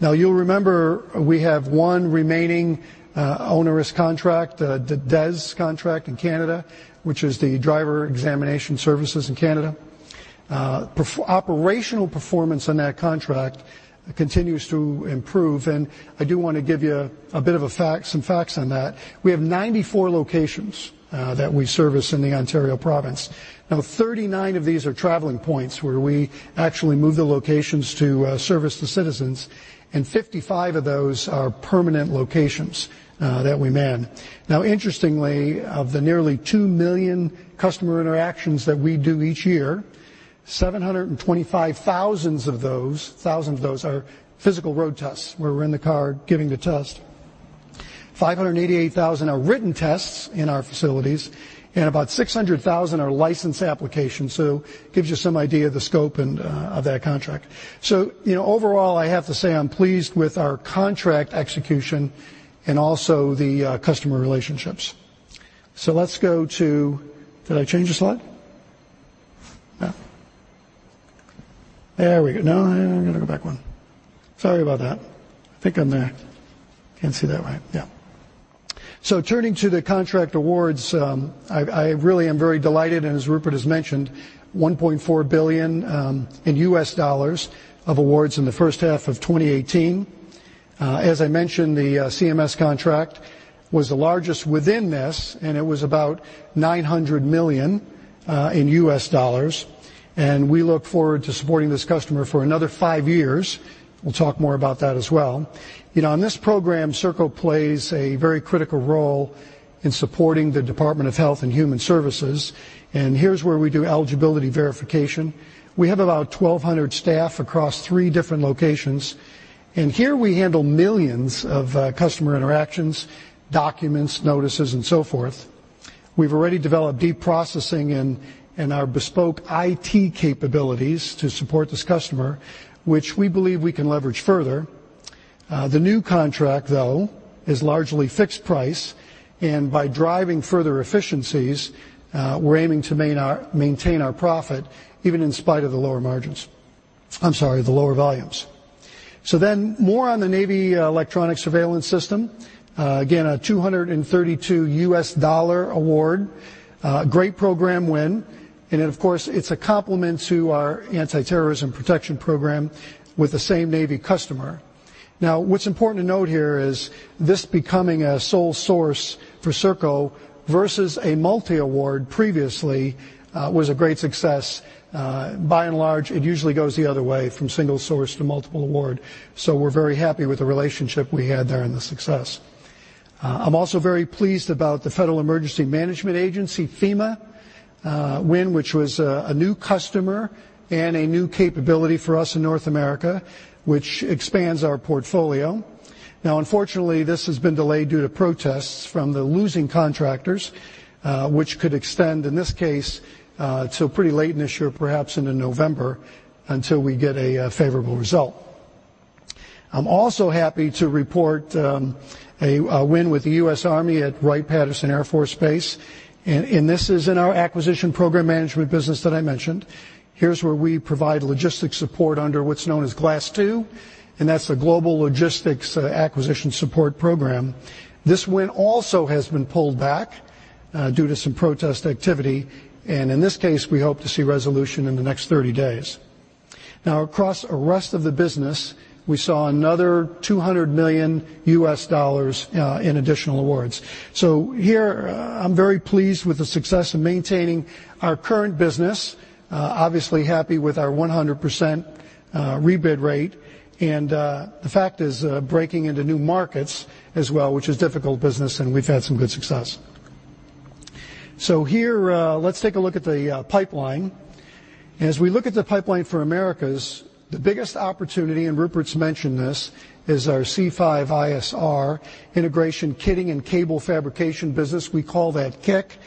You'll remember we have one remaining onerous contract, the DES contract in Canada, which is the Driver Examination Services in Canada. Operational performance on that contract continues to improve, and I do want to give you some facts on that. We have 94 locations that we service in the Ontario province. 39 of these are traveling points where we actually move the locations to service the citizens, and 55 of those are permanent locations that we man. Interestingly, of the nearly 2 million customer interactions that we do each year, 725,000 of those are physical road tests where we're in the car giving the test, 588,000 are written tests in our facilities, and about 600,000 are license applications. Gives you some idea of the scope of that contract. Overall, I have to say I'm pleased with our contract execution and also the customer relationships. Let's go to-- Did I change the slide? No. There we go. No, I've got to go back one. Sorry about that. I think I'm there. Can't see that right. Yeah. Turning to the contract awards, I really am very delighted. As Rupert has mentioned, $1.4 billion of awards in the first half of 2018. As I mentioned, the CMS contract was the largest within this. It was about $900 million. We look forward to supporting this customer for another five years. We'll talk more about that as well. On this program, Serco plays a very critical role in supporting the Department of Health and Human Services. Here's where we do eligibility verification. We have about 1,200 staff across three different locations. Here we handle millions of customer interactions, documents, notices, and so forth. We've already developed deep processing in our bespoke IT capabilities to support this customer, which we believe we can leverage further. The new contract, though, is largely fixed price. By driving further efficiencies, we're aiming to maintain our profit, even in spite of the lower volumes. More on the Navy Electronic Surveillance System. Again, a $232 award. Great program win. Of course, it's a complement to our anti-terrorism protection program with the same Navy customer. What's important to note here is this becoming a sole source for Serco versus a multi-award previously, was a great success. By and large, it usually goes the other way from single source to multiple award. We're very happy with the relationship we had there and the success. I'm also very pleased about the Federal Emergency Management Agency, FEMA, win, which was a new customer and a new capability for us in North America, which expands our portfolio. Unfortunately, this has been delayed due to protests from the losing contractors, which could extend, in this case, till pretty late in this year, perhaps into November, until we get a favorable result. I'm also happy to report a win with the U.S. Army at Wright-Patterson Air Force Base. This is in our acquisition program management business that I mentioned. Here's where we provide logistics support under what's known as GLASS II. That's the Global Logistics Acquisition Support Program. This win also has been pulled back due to some protest activity. In this case, we hope to see resolution in the next 30 days. Across the rest of the business, we saw another $200 million in additional awards. Here, I'm very pleased with the success of maintaining our current business. Obviously happy with our 100% rebid rate. The fact is breaking into new markets as well, which is difficult business. We've had some good success. Here, let's take a look at the pipeline. As we look at the pipeline for Americas, the biggest opportunity, Rupert's mentioned this, is our C5ISR Integration, Kitting, and Cable Fabrication business. We call that KICK.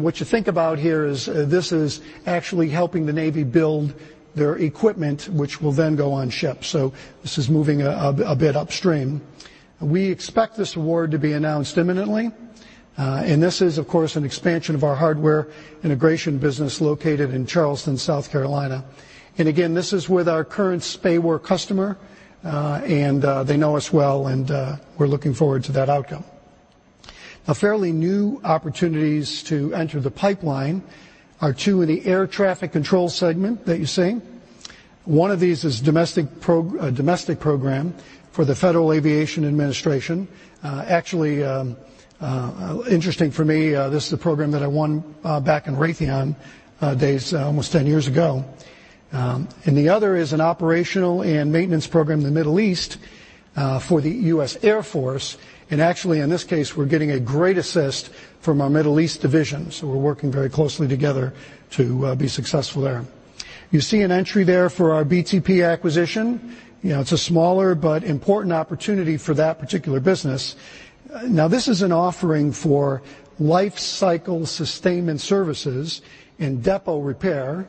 What you think about here is this is actually helping the Navy build their equipment, which will then go on ships. This is moving a bit upstream. We expect this award to be announced imminently. This is, of course, an expansion of our hardware integration business located in Charleston, South Carolina. Again, this is with our current SPAWAR customer. They know us well. We're looking forward to that outcome. Fairly new opportunities to enter the pipeline are two in the air traffic control segment that you see. One of these is a domestic program for the Federal Aviation Administration. Actually, interesting for me, this is a program that I won back in Raytheon days almost 10 years ago. The other is an operational and maintenance program in the Middle East for the U.S. Air Force. Actually, in this case, we're getting a great assist from our Middle East division, so we're working very closely together to be successful there. You see an entry there for our BTP acquisition. It's a smaller but important opportunity for that particular business. This is an offering for life cycle sustainment services and depot repair.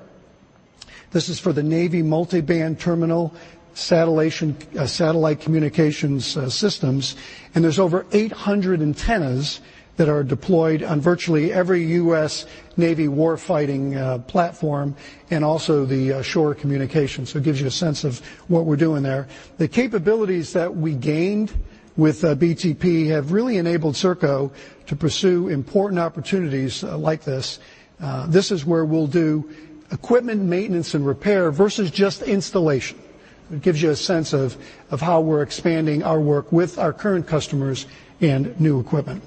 This is for the Navy multiband terminal satellite communications systems, there's over 800 antennas that are deployed on virtually every U.S. Navy warfighting platform, and also the shore communications. It gives you a sense of what we're doing there. The capabilities that we gained with BTP have really enabled Serco to pursue important opportunities like this. This is where we'll do equipment maintenance and repair versus just installation. It gives you a sense of how we're expanding our work with our current customers and new equipment.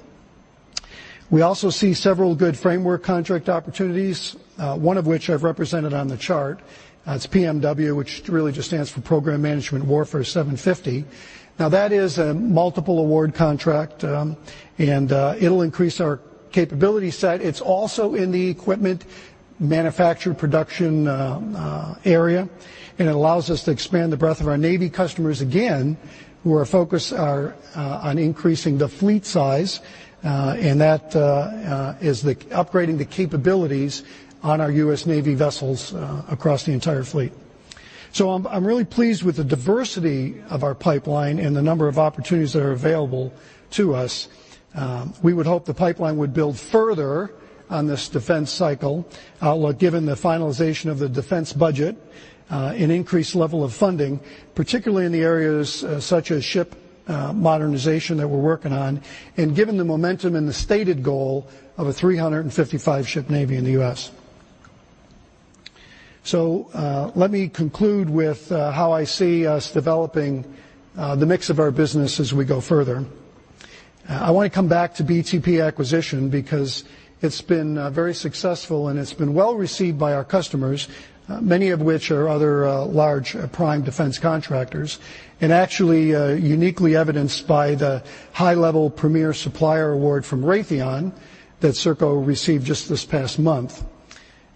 We also see several good framework contract opportunities, one of which I've represented on the chart. It's PMW, which really just stands for Program Management Warfare 750. That is a multiple award contract, it'll increase our capability set. It's also in the equipment manufacture production area, it allows us to expand the breadth of our Navy customers again, who are focused on increasing the fleet size, and that is upgrading the capabilities on our U.S. Navy vessels across the entire fleet. I'm really pleased with the diversity of our pipeline and the number of opportunities that are available to us. We would hope the pipeline would build further on this defense cycle outlook, given the finalization of the defense budget, an increased level of funding, particularly in the areas such as ship modernization that we're working on, and given the momentum and the stated goal of a 355-ship Navy in the U.S. Let me conclude with how I see us developing the mix of our business as we go further. I want to come back to BTP acquisition because it's been very successful, it's been well-received by our customers, many of which are other large prime defense contractors, and actually uniquely evidenced by the high-level Premier Supplier Award from Raytheon that Serco received just this past month.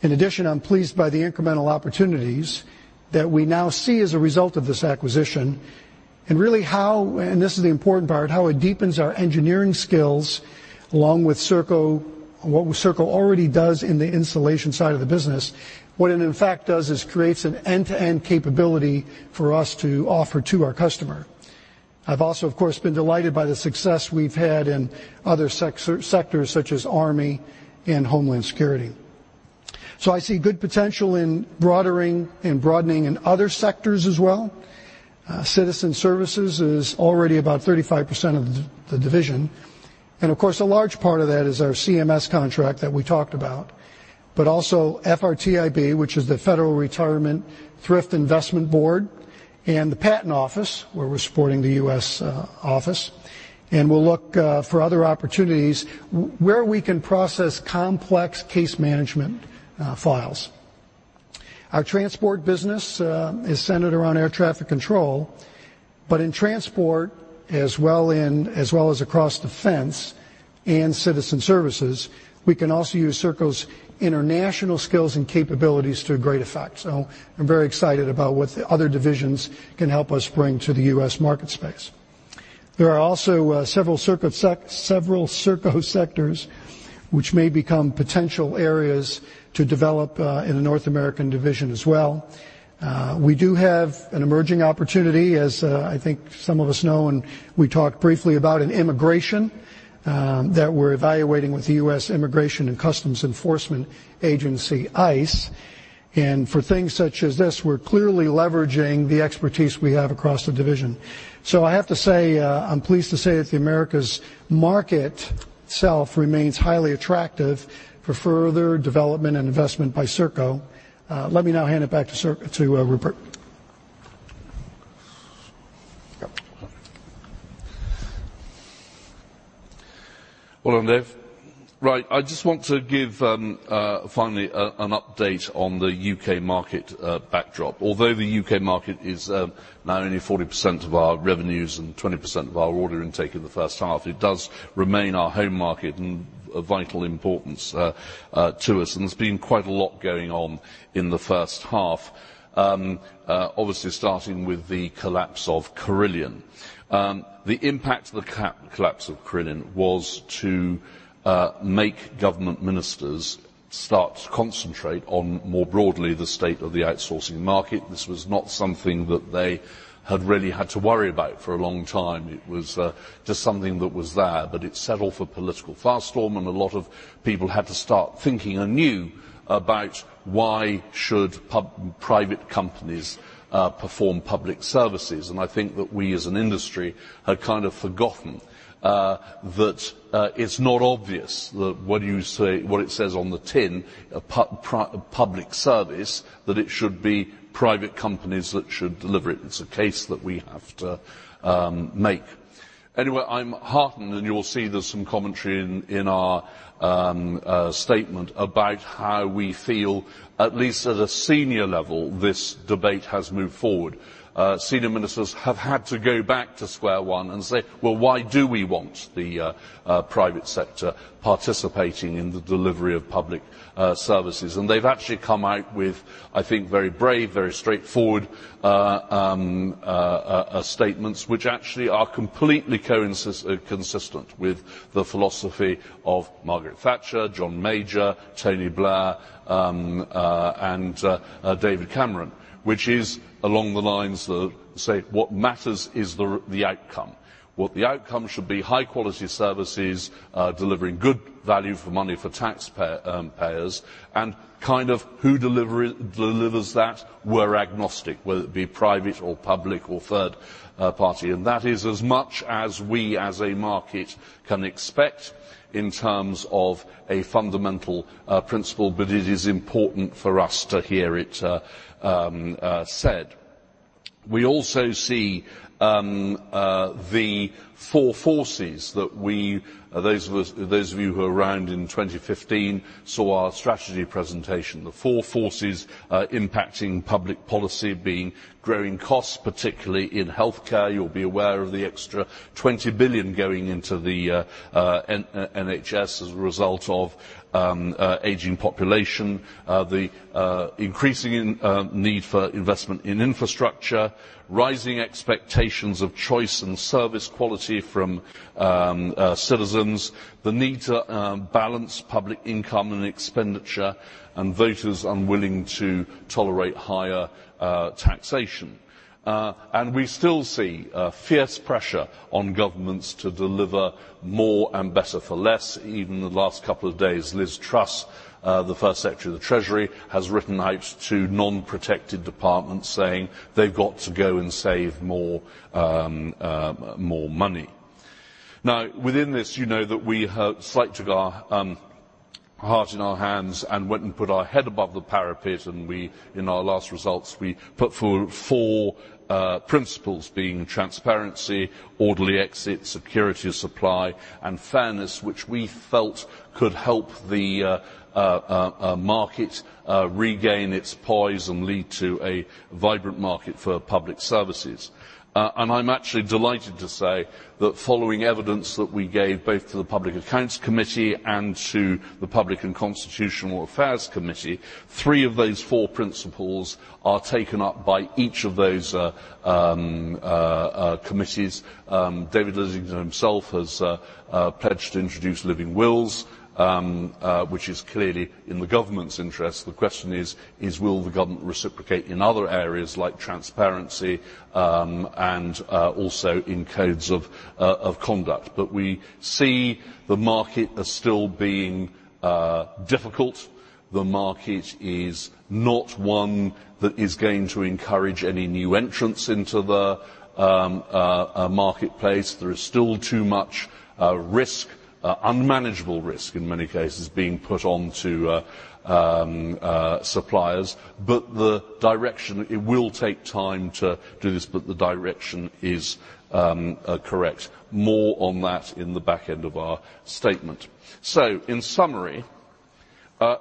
In addition, I'm pleased by the incremental opportunities that we now see as a result of this acquisition, really how, and this is the important part, how it deepens our engineering skills along with what Serco already does in the installation side of the business. What it in fact does is creates an end-to-end capability for us to offer to our customer. I've also, of course, been delighted by the success we've had in other sectors, such as Army and Homeland Security. I see good potential in broadening in other sectors as well. Citizen Services is already about 35% of the division. Of course, a large part of that is our CMS contract that we talked about, but also FRTIB, which is the Federal Retirement Thrift Investment Board, and the patent office, where we're supporting the U.S. office. We'll look for other opportunities where we can process complex case management files. Our transport business is centered around air traffic control. In transport, as well as across defense and Citizen Services, we can also use Serco's international skills and capabilities to great effect. I'm very excited about what the other divisions can help us bring to the U.S. market space. There are also several Serco sectors which may become potential areas to develop in the North American division as well. Well done, Dave. I do have an emerging opportunity, as I think some of us know and we talked briefly about, in immigration that we're evaluating with the U.S. Immigration and Customs Enforcement agency, ICE. For things such as this, we're clearly leveraging the expertise we have across the division. I have to say, I'm pleased to say that the Americas market itself remains highly attractive for further development and investment by Serco. Let me now hand it back to Rupert. Well done, Dave. I just want to give, finally, an update on the U.K. market backdrop. Although the U.K. market is now only 40% of our revenues and 20% of our order intake in the first half, it does remain our home market and of vital importance to us. There's been quite a lot going on in the first half. Obviously, starting with the collapse of Carillion. The impact of the collapse of Carillion was to make government ministers start to concentrate on, more broadly, the state of the outsourcing market. This was not something that they had really had to worry about for a long time. It was just something that was there. It set off a political firestorm, and a lot of people had to start thinking anew about why should private companies perform public services. I think that we, as an industry, had kind of forgotten that it's not obvious that what it says on the tin, a public service, that it should be private companies that should deliver it. It's a case that we have to make. Anyway, I'm heartened, you will see there's some commentary in our statement about how we feel, at least at a senior level, this debate has moved forward. Senior ministers have had to go back to square one and say, "Well, why do we want the private sector participating in the delivery of public services?" They've actually come out with, I think, very brave, very straightforward statements, which actually are completely consistent with the philosophy of Margaret Thatcher, John Major, Tony Blair, and David Cameron, which is along the lines that say what matters is the outcome. What the outcome should be, high quality services, delivering good value for money for taxpayers, kind of who delivers that, we're agnostic, whether it be private or public or third party. That is as much as we as a market can expect in terms of a fundamental principle, but it is important for us to hear it said. We also see the four forces that we, those of you who were around in 2015, saw our strategy presentation. The four forces impacting public policy being growing costs, particularly in healthcare. You'll be aware of the extra 20 billion going into the NHS as a result of aging population. The increasing need for investment in infrastructure, rising expectations of choice and service quality from citizens, the need to balance public income and expenditure, voters unwilling to tolerate higher taxation. We still see fierce pressure on governments to deliver more and better for less. Even the last couple of days, Liz Truss, the Chief Secretary to the Treasury, has written out to non-protected departments saying they've got to go and save more money. Within this, you know that we took our heart in our hands and went and put our head above the parapet, in our last results, we put four principles being transparency, orderly exit, security of supply, and fairness, which we felt could help the market regain its poise and lead to a vibrant market for public services. I'm actually delighted to say that following evidence that we gave both to the Public Accounts Committee and to the Public Administration and Constitutional Affairs Committee, three of those four principles are taken up by each of those committees. David Lidington himself has pledged to introduce living wills, which is clearly in the government's interest. The question is, will the government reciprocate in other areas like transparency, and also in codes of conduct? We see the market as still being difficult. The market is not one that is going to encourage any new entrants into the marketplace. There is still too much risk, unmanageable risk in many cases, being put on to suppliers. It will take time to do this, but the direction is correct. More on that in the back end of our statement. In summary,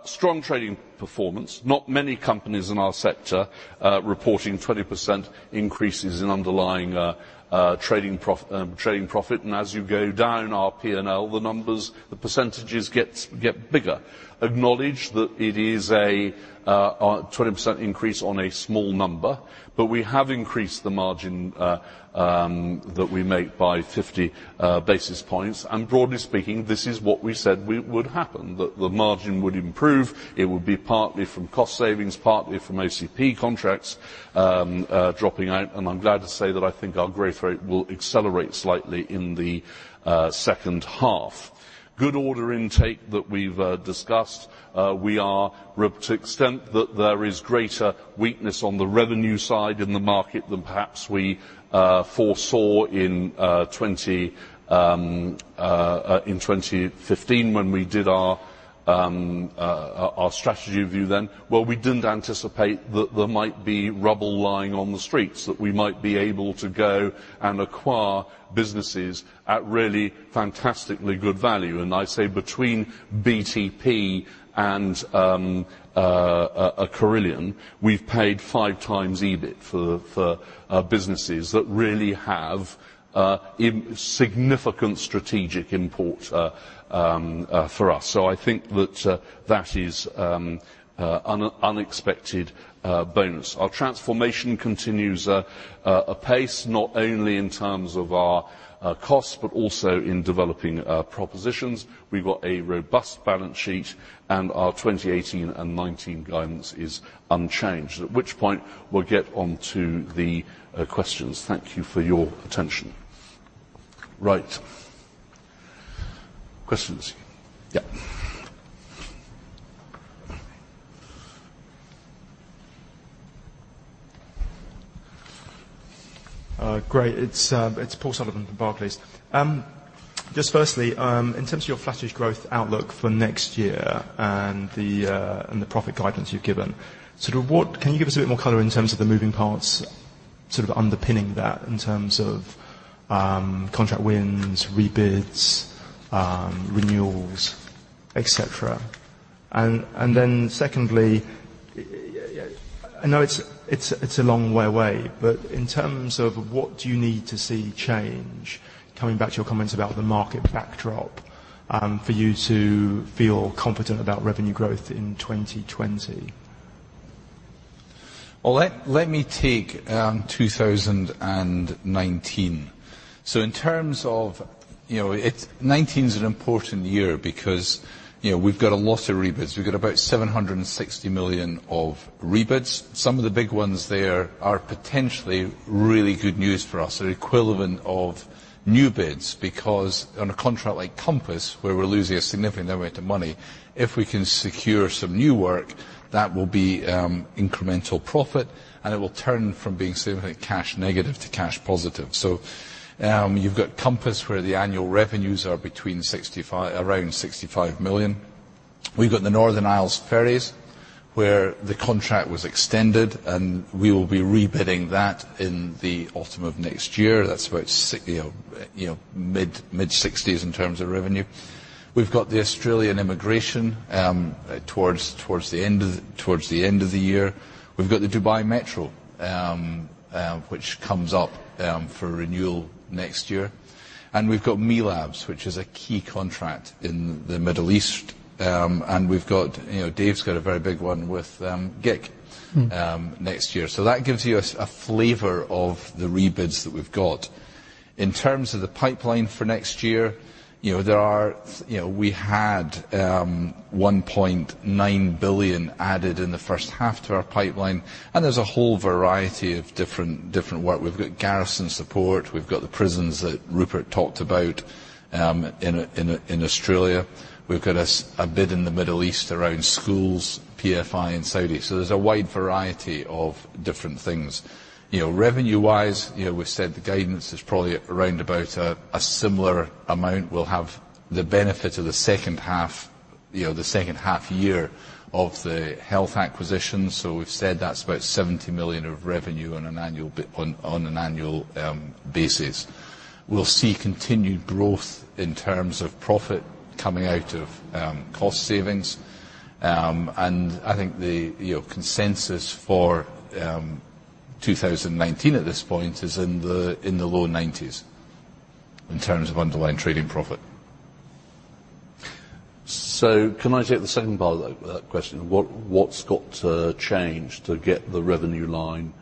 strong trading performance. Not many companies in our sector are reporting 20% increases in underlying trading profit. As you go down our P&L, the numbers, the percentages get bigger. Acknowledge that it is a 20% increase on a small number, but we have increased the margin that we make by 50 basis points. Broadly speaking, this is what we said would happen, that the margin would improve. It would be partly from cost savings, partly from OCP contracts dropping out. I'm glad to say that I think our growth rate will accelerate slightly in the second half. Good order intake that we've discussed. To the extent that there is greater weakness on the revenue side in the market than perhaps we foresaw in 2015 when we did our strategy review then, well, we didn't anticipate that there might be rubble lying on the streets, that we might be able to go and acquire businesses at really fantastically good value. I say between BTP and Carillion, we've paid five times EBIT for businesses that really have significant strategic import for us. I think that that is unexpected bonus. Our transformation continues apace, not only in terms of our costs, but also in developing our propositions. We've got a robust balance sheet and our 2018 and 2019 guidance is unchanged. At which point, we'll get onto the questions. Thank you for your attention. Right Questions? Yeah. Great. It's Paul Sullivan from Barclays. Firstly, in terms of your flattish growth outlook for next year and the profit guidance you've given, can you give us a bit more color in terms of the moving parts sort of underpinning that in terms of contract wins, rebids, renewals, et cetera? Then secondly, I know it's a long way away, but in terms of what do you need to see change, coming back to your comments about the market backdrop, for you to feel confident about revenue growth in 2020? Well, let me take 2019. In terms of 2019 is an important year because we've got a lot of rebids. We've got about 760 million of rebids. Some of the big ones there are potentially really good news for us. They're equivalent of new bids because on a contract like COMPASS, where we're losing a significant amount of money, if we can secure some new work, that will be incremental profit, and it will turn from being significantly cash negative to cash positive. You've got COMPASS, where the annual revenues are between around 65 million. We've got the Northern Isles Ferries, where the contract was extended, and we will be rebidding that in the autumn of next year. That's about mid-GBP 60s in terms of revenue. We've got the Australian Immigration towards the end of the year. We've got the Dubai Metro, which comes up for renewal next year. We've got MELABS, which is a key contract in the Middle East. Dave's got a very big one with gig next year. That gives you a flavor of the rebids that we've got. In terms of the pipeline for next year, we had 1.9 billion added in the first half to our pipeline, and there's a whole variety of different work. We've got garrison support, we've got the prisons that Rupert talked about in Australia. We've got a bid in the Middle East around schools, PFI in Saudi. There's a wide variety of different things. Revenue-wise, we've said the guidance is probably around about a similar amount. We'll have the benefit of the second half year of the health acquisition. We've said that's about 70 million of revenue on an annual basis. We'll see continued growth in terms of profit coming out of cost savings. I think the consensus for 2019 at this point is in the low GBP 90s in terms of underlying trading profit. Can I take the second part of that question? What's got to change to get the revenue line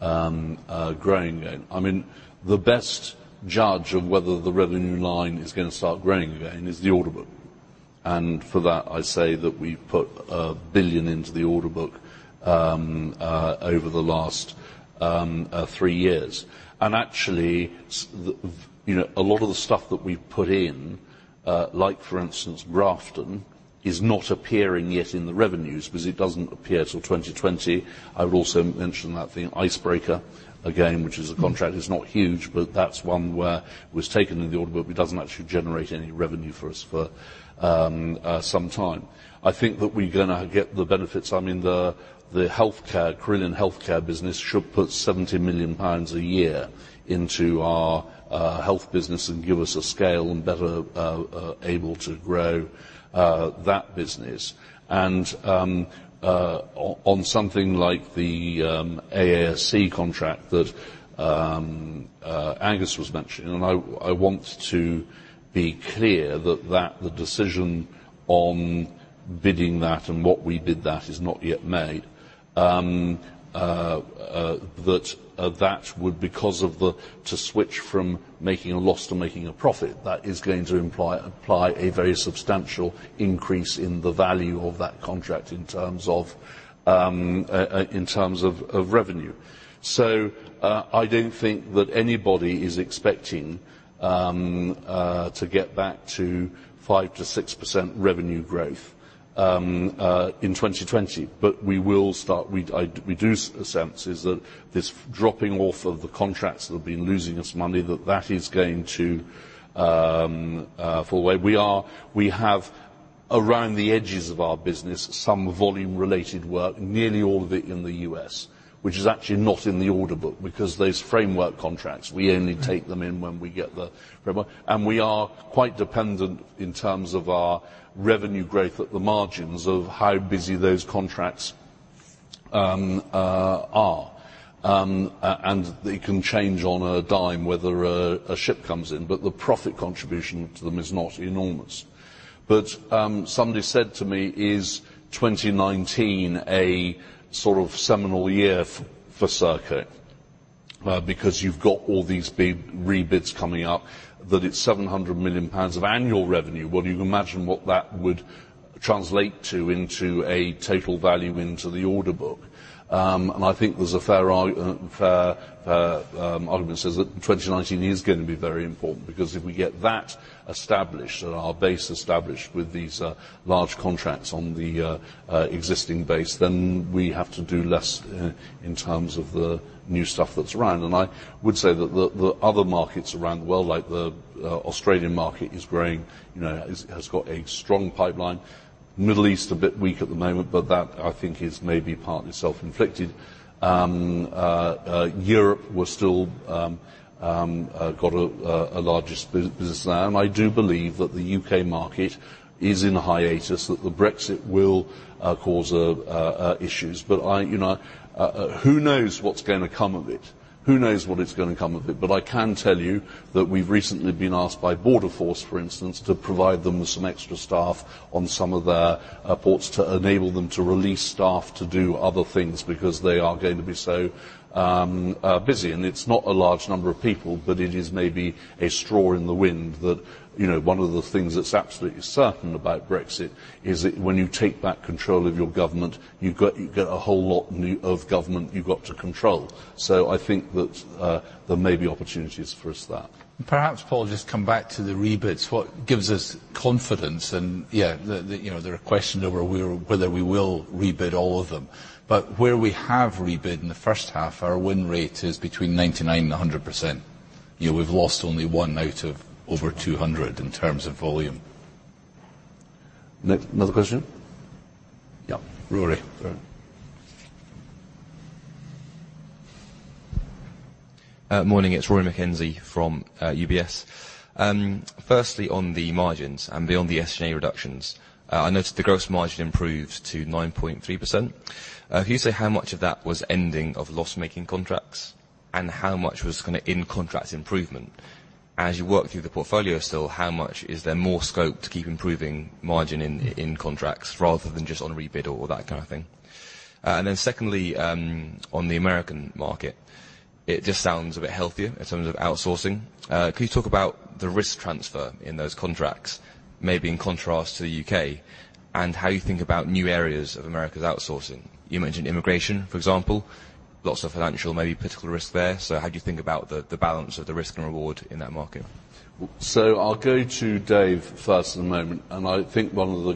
growing again? I mean, the best judge of whether the revenue line is going to start growing again is the order book. For that, I say that we put 1 billion into the order book over the last three years. Actually, a lot of the stuff that we put in, like for instance, Grafton, is not appearing yet in the revenues because it doesn't appear till 2020. I would also mention that the Icebreaker, again, which is a contract, is not huge, but that's one where it was taken in the order book, but it doesn't actually generate any revenue for us for some time. I think that we're going to get the benefits. I mean, the Carillion Healthcare business should put 70 million pounds a year into our health business and give us a scale and better able to grow that business. On something like the AASC contract that Angus was mentioning, I want to be clear that the decision on bidding that and what we bid that is not yet made. That that would to switch from making a loss to making a profit, that is going to imply a very substantial increase in the value of that contract in terms of revenue. I don't think that anybody is expecting to get back to 5%-6% revenue growth in 2020. We do sense is that this dropping off of the contracts that have been losing us money, that that is going to fall away. We have around the edges of our business some volume-related work, nearly all of it in the U.S., which is actually not in the order book because those framework contracts, we only take them in when we get the framework. We are quite dependent in terms of our revenue growth at the margins of how busy those contracts are. They can change on a dime whether a ship comes in, but the profit contribution to them is not enormous. Somebody said to me, "Is 2019 a sort of seminal year for Serco? Because you've got all these big rebids coming up, that it's 700 million pounds of annual revenue. You can imagine what that would" Translate into a total value into the order book. I think there's a fair argument says that 2019 is going to be very important because if we get that established and our base established with these large contracts on the existing base, then we have to do less in terms of the new stuff that's around. I would say that the other markets around the world, like the Australian market is growing, has got a strong pipeline. Middle East, a bit weak at the moment but that I think is maybe partly self-inflicted. Europe, we still got a large business there. I do believe that the U.K. market is in a hiatus, that Brexit will cause issues. Who knows what's going to come of it? Who knows what is going to come of it? I can tell you that we've recently been asked by Border Force, for instance, to provide them with some extra staff on some of their ports to enable them to release staff to do other things because they are going to be so busy. It's not a large number of people, but it is maybe a straw in the wind that one of the things that's absolutely certain about Brexit is that when you take back control of your government, you get a whole lot of government you've got to control. I think that there may be opportunities for us there. Perhaps, Paul, just come back to the rebids. What gives us confidence and, yeah, there are question over whether we will rebid all of them. Where we have rebid in the first half, our win rate is between 99%-100%. We've lost only one out of over 200 in terms of volume. Another question? Yeah, Rory. Morning. It's Rory McKenzie from UBS. Firstly, on the margins and beyond the S&A reductions, I noticed the gross margin improved to 9.3%. Can you say how much of that was ending of loss-making contracts, and how much was kind of in-contract improvement? As you work through the portfolio still, how much is there more scope to keep improving margin in contracts rather than just on rebid or that kind of thing? Then secondly, on the American market, it just sounds a bit healthier in terms of outsourcing. Can you talk about the risk transfer in those contracts, maybe in contrast to the U.K., and how you think about new areas of America's outsourcing? You mentioned immigration, for example. Lots of financial, maybe political risk there. How do you think about the balance of the risk and reward in that market? I'll go to Dave first at the moment. I think one of the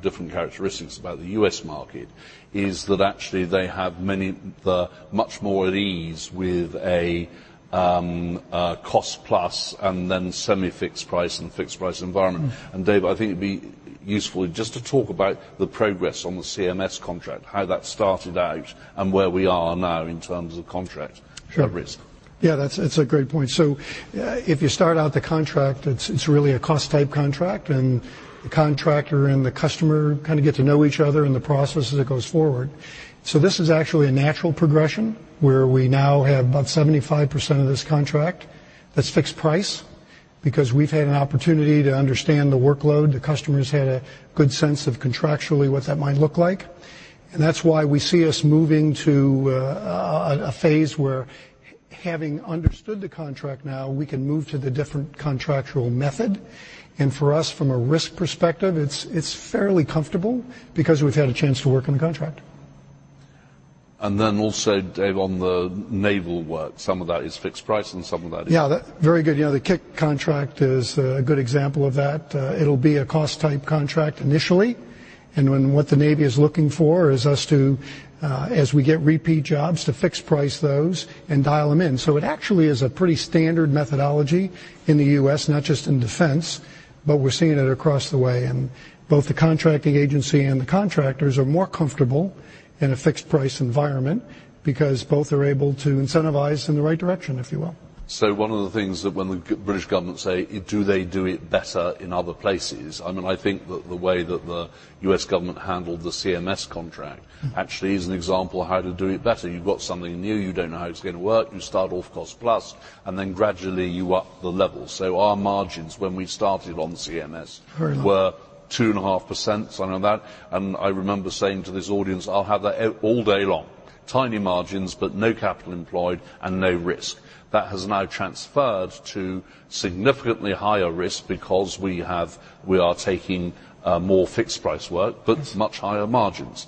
different characteristics about the U.S. market is that actually they have They're much more at ease with a cost-plus and then semi-fixed price and fixed price environment. Dave, I think it'd be useful just to talk about the progress on the CMS contract, how that started out and where we are now in terms of contract risk. Sure. Yeah, that's a great point. If you start out the contract, it's really a cost-type contract and the contractor and the customer kind of get to know each other in the process as it goes forward. This is actually a natural progression where we now have about 75% of this contract that's fixed price because we've had an opportunity to understand the workload. The customer's had a good sense of contractually what that might look like. That's why we see us moving to a phase where having understood the contract now, we can move to the different contractual method. For us, from a risk perspective, it's fairly comfortable because we've had a chance to work on the contract. Also, Dave, on the naval work, some of that is fixed price and some of that is- Yeah, very good. The KIC contract is a good example of that. It'll be a cost-type contract initially, and what the Navy is looking for is us to, as we get repeat jobs, to fix price those and dial them in. It actually is a pretty standard methodology in the U.S., not just in defense, but we're seeing it across the way. Both the contracting agency and the contractors are more comfortable in a fixed price environment because both are able to incentivize in the right direction, if you will. One of the things that when the British government say, do they do it better in other places? I think that the way that the U.S. government handled the CMS contract actually is an example of how to do it better. You've got something new. You don't know how it's going to work. You start off cost-plus, and then gradually you up the level. Our margins when we started on CMS- Very low Were 2.5%, something like that. I remember saying to this audience, "I'll have that all day long." Tiny margins but no capital employed and no risk. That has now transferred to significantly higher risk because we are taking more fixed price work but much higher margins,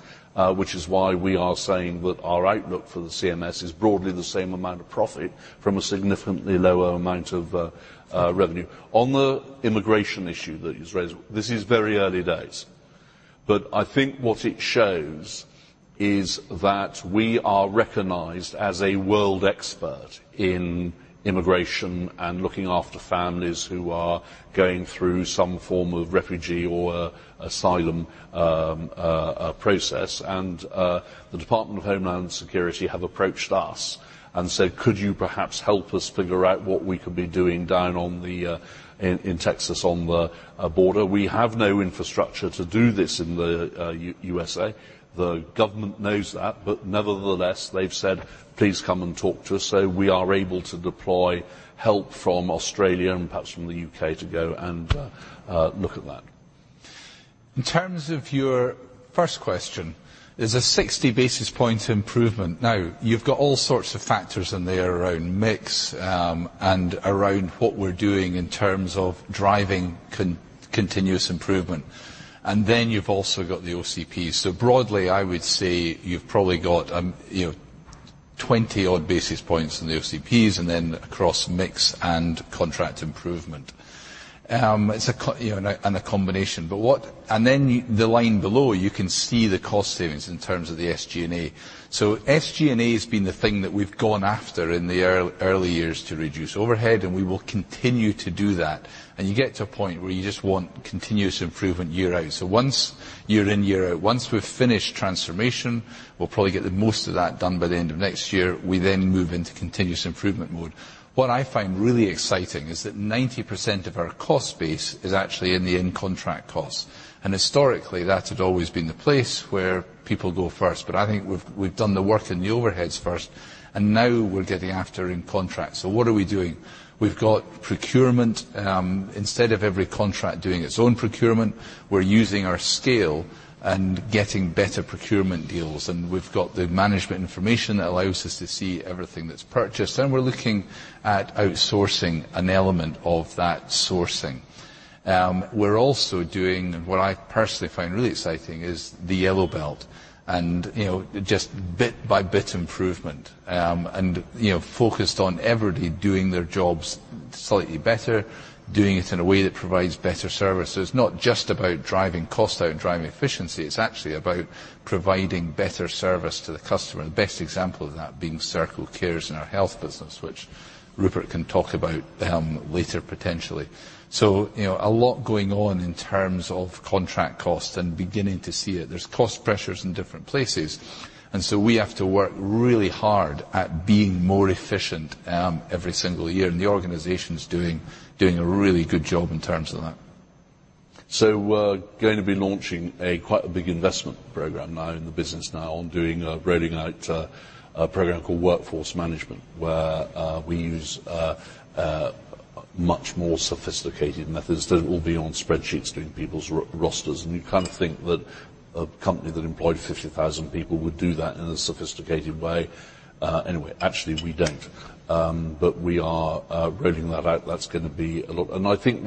which is why we are saying that our outlook for the CMS is broadly the same amount of profit from a significantly lower amount of revenue. The immigration issue that is raised, this is very early days, but I think what it shows is that we are recognized as a world expert in immigration and looking after families who are going through some form of refugee or asylum process. The Department of Homeland Security have approached us and said, "Could you perhaps help us figure out what we could be doing down in Texas on the border?" We have no infrastructure to do this in the U.S.A. The government knows that. Nevertheless, they've said, "Please come and talk to us." We are able to deploy help from Australia and perhaps from the U.K. to go and look at that. In terms of your first question, there's a 60-basis point improvement. You've got all sorts of factors in there around mix and around what we're doing in terms of driving continuous improvement, and then you've also got the OCP. Broadly, I would say you've probably got a 20-odd basis points in the OCPs, and then across mix and contract improvement. It's a combination. The line below, you can see the cost savings in terms of the SG&A. SG&A has been the thing that we've gone after in the early years to reduce overhead, and we will continue to do that. You get to a point where you just want continuous improvement year out. Year in, year out, once we've finished transformation, we'll probably get the most of that done by the end of next year. We move into continuous improvement mode. What I find really exciting is that 90% of our cost base is actually in the in-contract costs. Historically, that had always been the place where people go first. I think we've done the work in the overheads first, and now we're getting after in contract. What are we doing? We've got procurement. Instead of every contract doing its own procurement, we're using our scale and getting better procurement deals. We've got the management information that allows us to see everything that's purchased, and we're looking at outsourcing an element of that sourcing. We're also doing, what I personally find really exciting is, the Yellow Belt, and just bit by bit improvement, and focused on everybody doing their jobs slightly better, doing it in a way that provides better services, not just about driving cost out and driving efficiency. It's actually about providing better service to the customer. The best example of that being Serco Cares in our health business, which Rupert can talk about later potentially. A lot going on in terms of contract cost and beginning to see it. There's cost pressures in different places, so we have to work really hard at being more efficient every single year. The organization is doing a really good job in terms of that. We're going to be launching quite a big investment program now in the business now on rolling out a program called Workforce Management, where we use much more sophisticated methods that it will be on spreadsheets doing people's rosters. You kind of think that a company that employed 50,000 people would do that in a sophisticated way anyway. Actually, we don't. We are rolling that out. That's going to be a lot. I think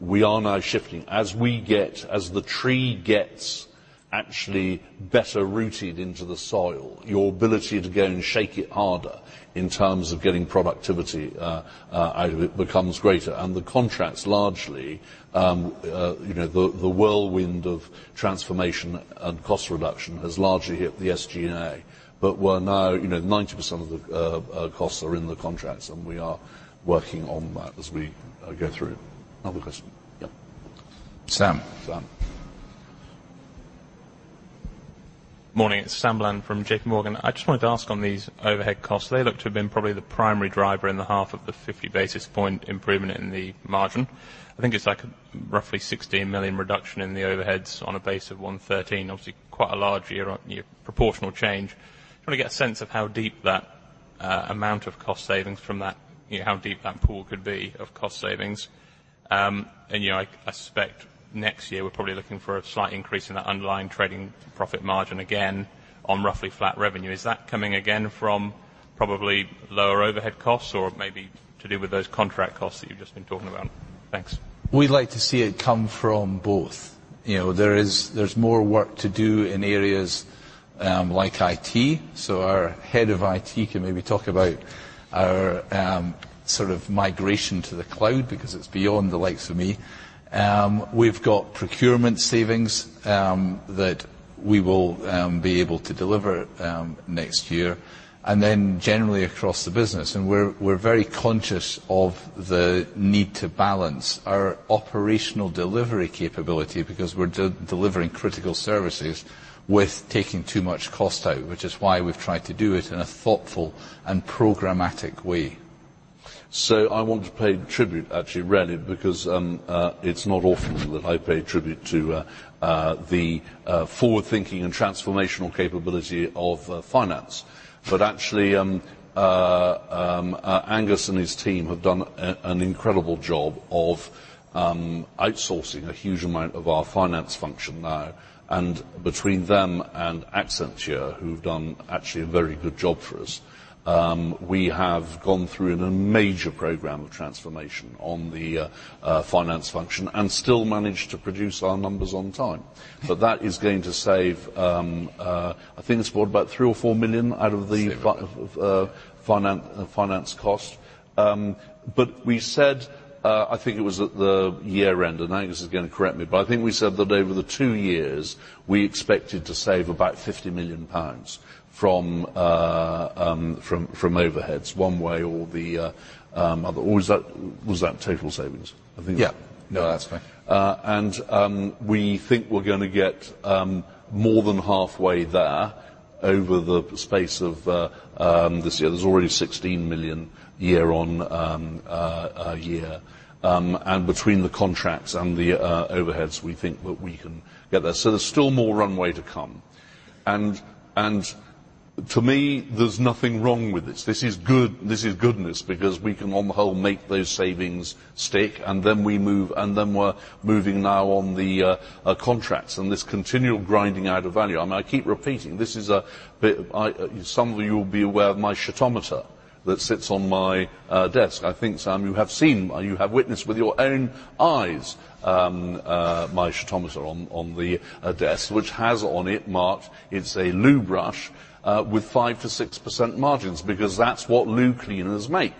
we are now shifting. As the tree gets actually better rooted into the soil, your ability to go and shake it harder in terms of getting productivity out of it becomes greater. The contracts largely, the whirlwind of transformation and cost reduction has largely hit the SG&A. Now, 90% of the costs are in the contracts, and we are working on that as we go through. Another question? Yep. Sam. Sam. Morning. It's Sam Bland from J.P. Morgan. I just wanted to ask on these overhead costs, they look to have been probably the primary driver in the half of the 50 basis point improvement in the margin. I think it's like a roughly 16 million reduction in the overheads on a base of 113. Obviously, quite a large year-on-year proportional change. I want to get a sense of how deep that amount of cost savings from that, how deep that pool could be of cost savings. I suspect next year we're probably looking for a slight increase in that underlying trading profit margin again on roughly flat revenue. Is that coming again from probably lower overhead costs or maybe to do with those contract costs that you've just been talking about? Thanks. We'd like to see it come from both. There's more work to do in areas like IT. Our head of IT can maybe talk about our sort of migration to the cloud because it's beyond the likes of me. We've got procurement savings that we will be able to deliver next year, then generally across the business. We're very conscious of the need to balance our operational delivery capability because we're delivering critical services with taking too much cost out, which is why we've tried to do it in a thoughtful and programmatic way. I want to pay tribute actually, really, because it's not often that I pay tribute to the forward-thinking and transformational capability of finance. Actually, Angus and his team have done an incredible job of outsourcing a huge amount of our finance function now. Between them and Accenture, who've done actually a very good job for us, we have gone through a major program of transformation on the finance function and still managed to produce our numbers on time. That is going to save, I think it's what? About 3 or 4 million out of the Similar finance cost. We said, I think it was at the year-end, and Angus is going to correct me, but I think we said that over the two years, we expected to save about 50 million pounds from overheads one way or the other. Or was that total savings? I think Yeah. No, that's fine. We think we're going to get more than halfway there over the space of this year. There's already 16 million year-on-year. Between the contracts and the overheads, we think that we can get there. There's still more runway to come. To me, there's nothing wrong with this. This is good. This is goodness because we can on the whole make those savings stick, and then we're moving now on the contracts and this continual grinding out of value. I keep repeating, this is a bit. Some of you will be aware of my shitometer that sits on my desk. I think, Sam, you have seen, you have witnessed with your own eyes my shitometer on the desk, which has on it marked, it's a loo brush with 5%-6% margins, because that's what loo cleaners make,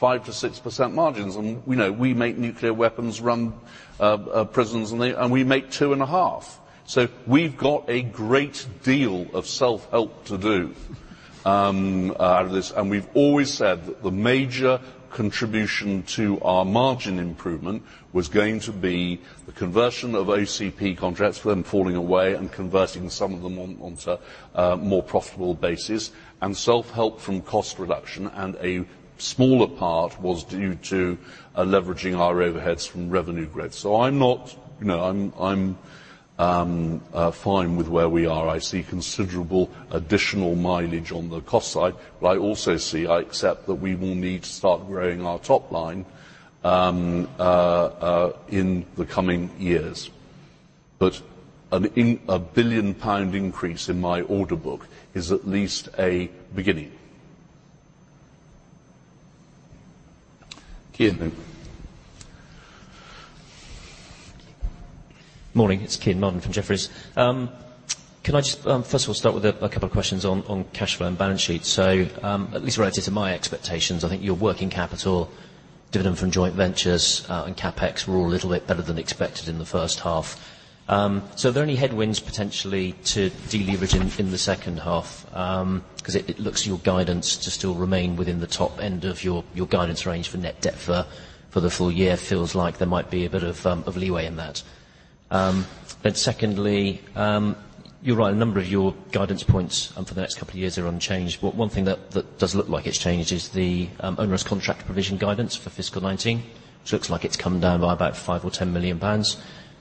5%-6% margins. We make nuclear weapons, run prisons, and we make two and a half. We've got a great deal of self-help to do out of this. We've always said that the major contribution to our margin improvement was going to be the conversion of OCP contracts, them falling away, and converting some of them onto a more profitable basis, and self-help from cost reduction, and a smaller part was due to leveraging our overheads from revenue growth. I'm fine with where we are. I see considerable additional mileage on the cost side. I also see, I accept that we will need to start growing our top line in the coming years. A 1 billion pound increase in my order book is at least a beginning. Cian then. Morning, it's Cian Nolan from Jefferies. Can I just first of all start with a couple of questions on cash flow and balance sheet? At least relative to my expectations, I think your working capital, dividend from joint ventures, and CapEx were all a little bit better than expected in the first half. Are there any headwinds potentially to deleverage in the second half? Because it looks your guidance to still remain within the top end of your guidance range for net debt for the full year. Feels like there might be a bit of leeway in that. Secondly, you're right, a number of your guidance points for the next couple of years are unchanged. One thing that does look like it's changed is the onerous contract provision guidance for FY 2019, which looks like it's come down by about 5 million or 10 million pounds.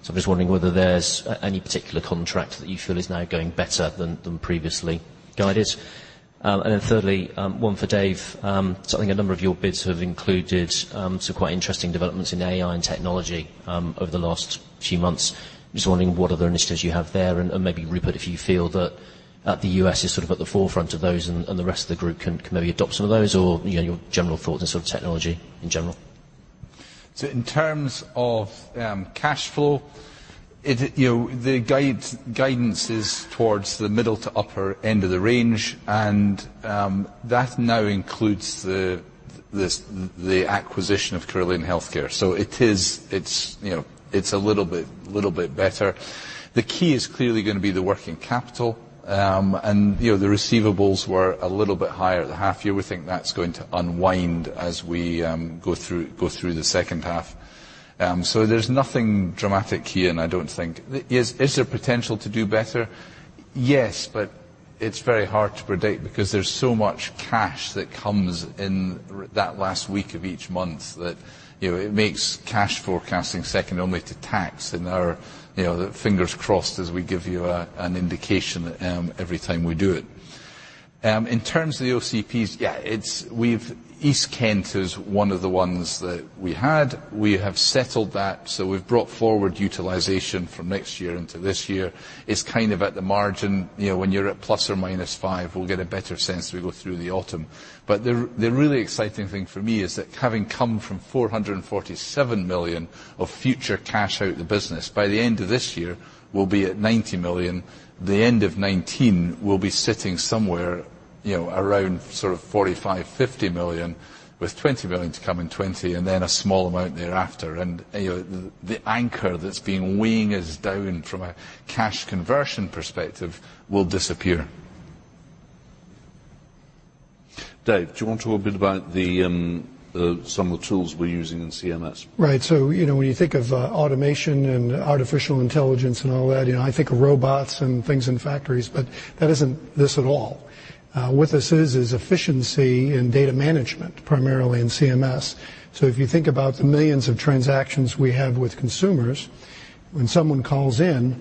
I'm just wondering whether there's any particular contract that you feel is now going better than previously guided. Thirdly, one for Dave. I think a number of your bids have included some quite interesting developments in AI and technology over the last few months. I'm just wondering what other initiatives you have there, and maybe Rupert, if you feel that the U.S. is sort of at the forefront of those and the rest of the group can maybe adopt some of those? Your general thoughts on sort of technology in general. In terms of cash flow, the guidance is towards the middle to upper end of the range, and that now includes the acquisition of Carillion Healthcare. It's a little bit better. The key is clearly going to be the working capital. The receivables were a little bit higher at the half year. We think that's going to unwind as we go through the second half. There's nothing dramatic here, and I don't think Is there potential to do better? Yes, it's very hard to predict because there's so much cash that comes in that last week of each month that it makes cash forecasting second only to tax and our fingers crossed as we give you an indication every time we do it. In terms of the OCPs, yeah. East Kent is one of the ones that we had. We have settled that, we've brought forward utilization from next year into this year. It's kind of at the margin. When you're at ±5, we'll get a better sense as we go through the autumn. The really exciting thing for me is that having come from 447 million of future cash out the business, by the end of this year, we'll be at 90 million. The end of 2019, we'll be sitting somewhere around sort of 45 million-50 million with 20 million to come in 2020 and then a small amount thereafter. The anchor that's been weighing us down from a cash conversion perspective will disappear. Dave, do you want to talk a bit about some of the tools we're using in CMS? Right. When you think of automation and artificial intelligence and all that, I think of robots and things in factories, but that isn't this at all. What this is efficiency and data management, primarily in CMS. If you think about the millions of transactions we have with consumers, when someone calls in,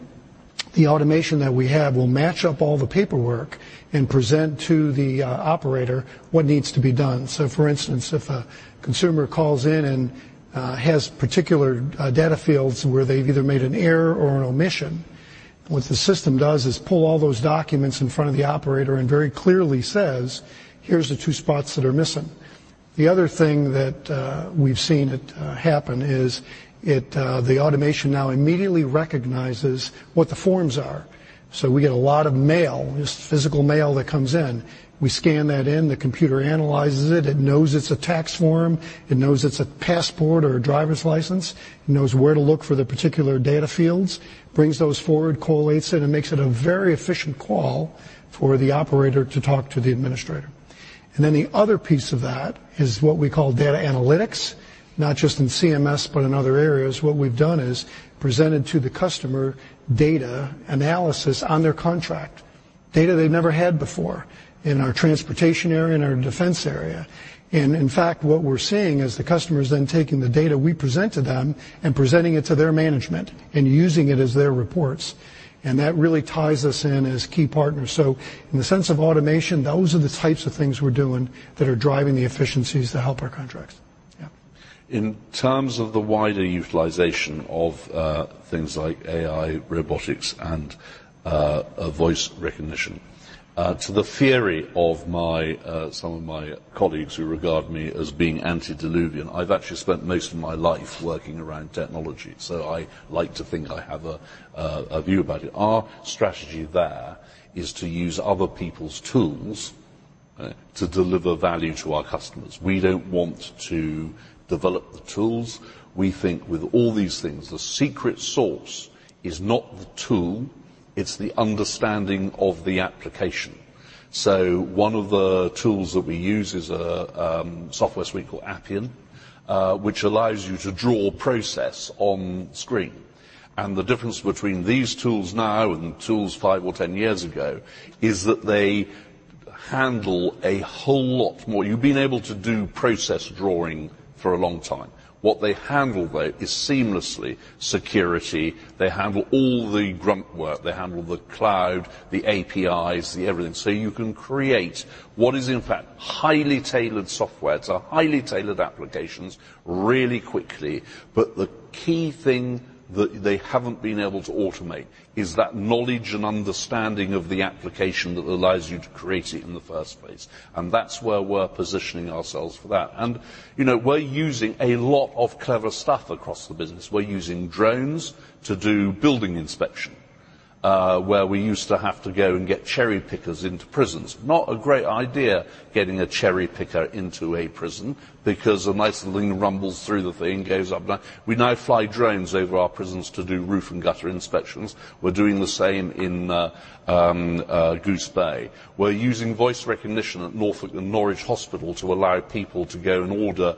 the automation that we have will match up all the paperwork and present to the operator what needs to be done. For instance, if a consumer calls in and has particular data fields where they've either made an error or an omission, what the system does is pull all those documents in front of the operator and very clearly says, "Here's the two spots that are missing." The other thing that we've seen happen is the automation now immediately recognizes what the forms are. We get a lot of mail, just physical mail that comes in. We scan that in, the computer analyzes it. It knows it's a tax form. It knows it's a passport or a driver's license. It knows where to look for the particular data fields, brings those forward, collates it, and makes it a very efficient call for the operator to talk to the administrator. Then the other piece of that is what we call data analytics, not just in CMS, but in other areas. What we've done is presented to the customer data analysis on their contract. Data they've never had before in our transportation area, in our defense area. In fact, what we're seeing is the customers then taking the data we present to them and presenting it to their management and using it as their reports. That really ties us in as key partners. In the sense of automation, those are the types of things we're doing that are driving the efficiencies that help our contracts. Yeah. In terms of the wider utilization of things like AI, robotics, and voice recognition, to the fury of some of my colleagues who regard me as being antediluvian, I've actually spent most of my life working around technology, so I like to think I have a view about it. Our strategy there is to use other people's tools to deliver value to our customers. We don't want to develop the tools. We think with all these things, the secret sauce is not the tool, it's the understanding of the application. One of the tools that we use is a software suite called Appian, which allows you to draw process on screen. The difference between these tools now and tools five or 10 years ago is that they handle a whole lot more. You've been able to do process drawing for a long time. What they handle, though, is seamlessly security. They handle all the grunt work. They handle the cloud, the APIs, the everything. You can create what is, in fact, highly tailored software to highly tailored applications really quickly. The key thing that they haven't been able to automate is that knowledge and understanding of the application that allows you to create it in the first place, and that's where we're positioning ourselves for that. We're using a lot of clever stuff across the business. We're using drones to do building inspection, where we used to have to go and get cherry pickers into prisons. Not a great idea getting a cherry picker into a prison, because the nice little thing rumbles through the thing, goes up. We now fly drones over our prisons to do roof and gutter inspections. We're doing the same in Goose Bay. We're using voice recognition at Norfolk and Norwich Hospital to allow people to go and order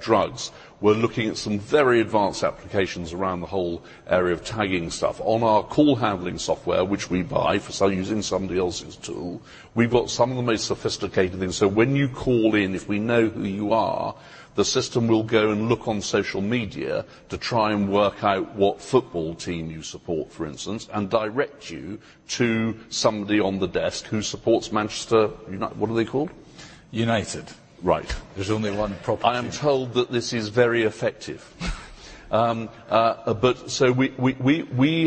drugs. We're looking at some very advanced applications around the whole area of tagging stuff. On our call handling software, which we buy, using somebody else's tool, we've got some of the most sophisticated things. When you call in, if we know who you are, the system will go and look on social media to try and work out what football team you support, for instance, and direct you to somebody on the desk who supports Manchester What are they called? United. Right. There's only one proper team. I am told that this is very effective. We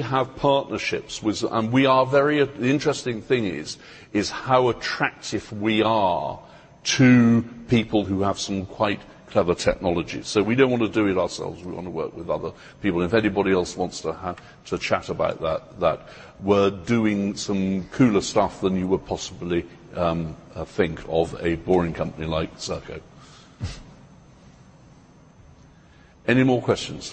have partnerships with The interesting thing is how attractive we are to people who have some quite clever technology. We don't want to do it ourselves, we want to work with other people. If anybody else wants to chat about that, we're doing some cooler stuff than you would possibly think of a boring company like Serco. Any more questions?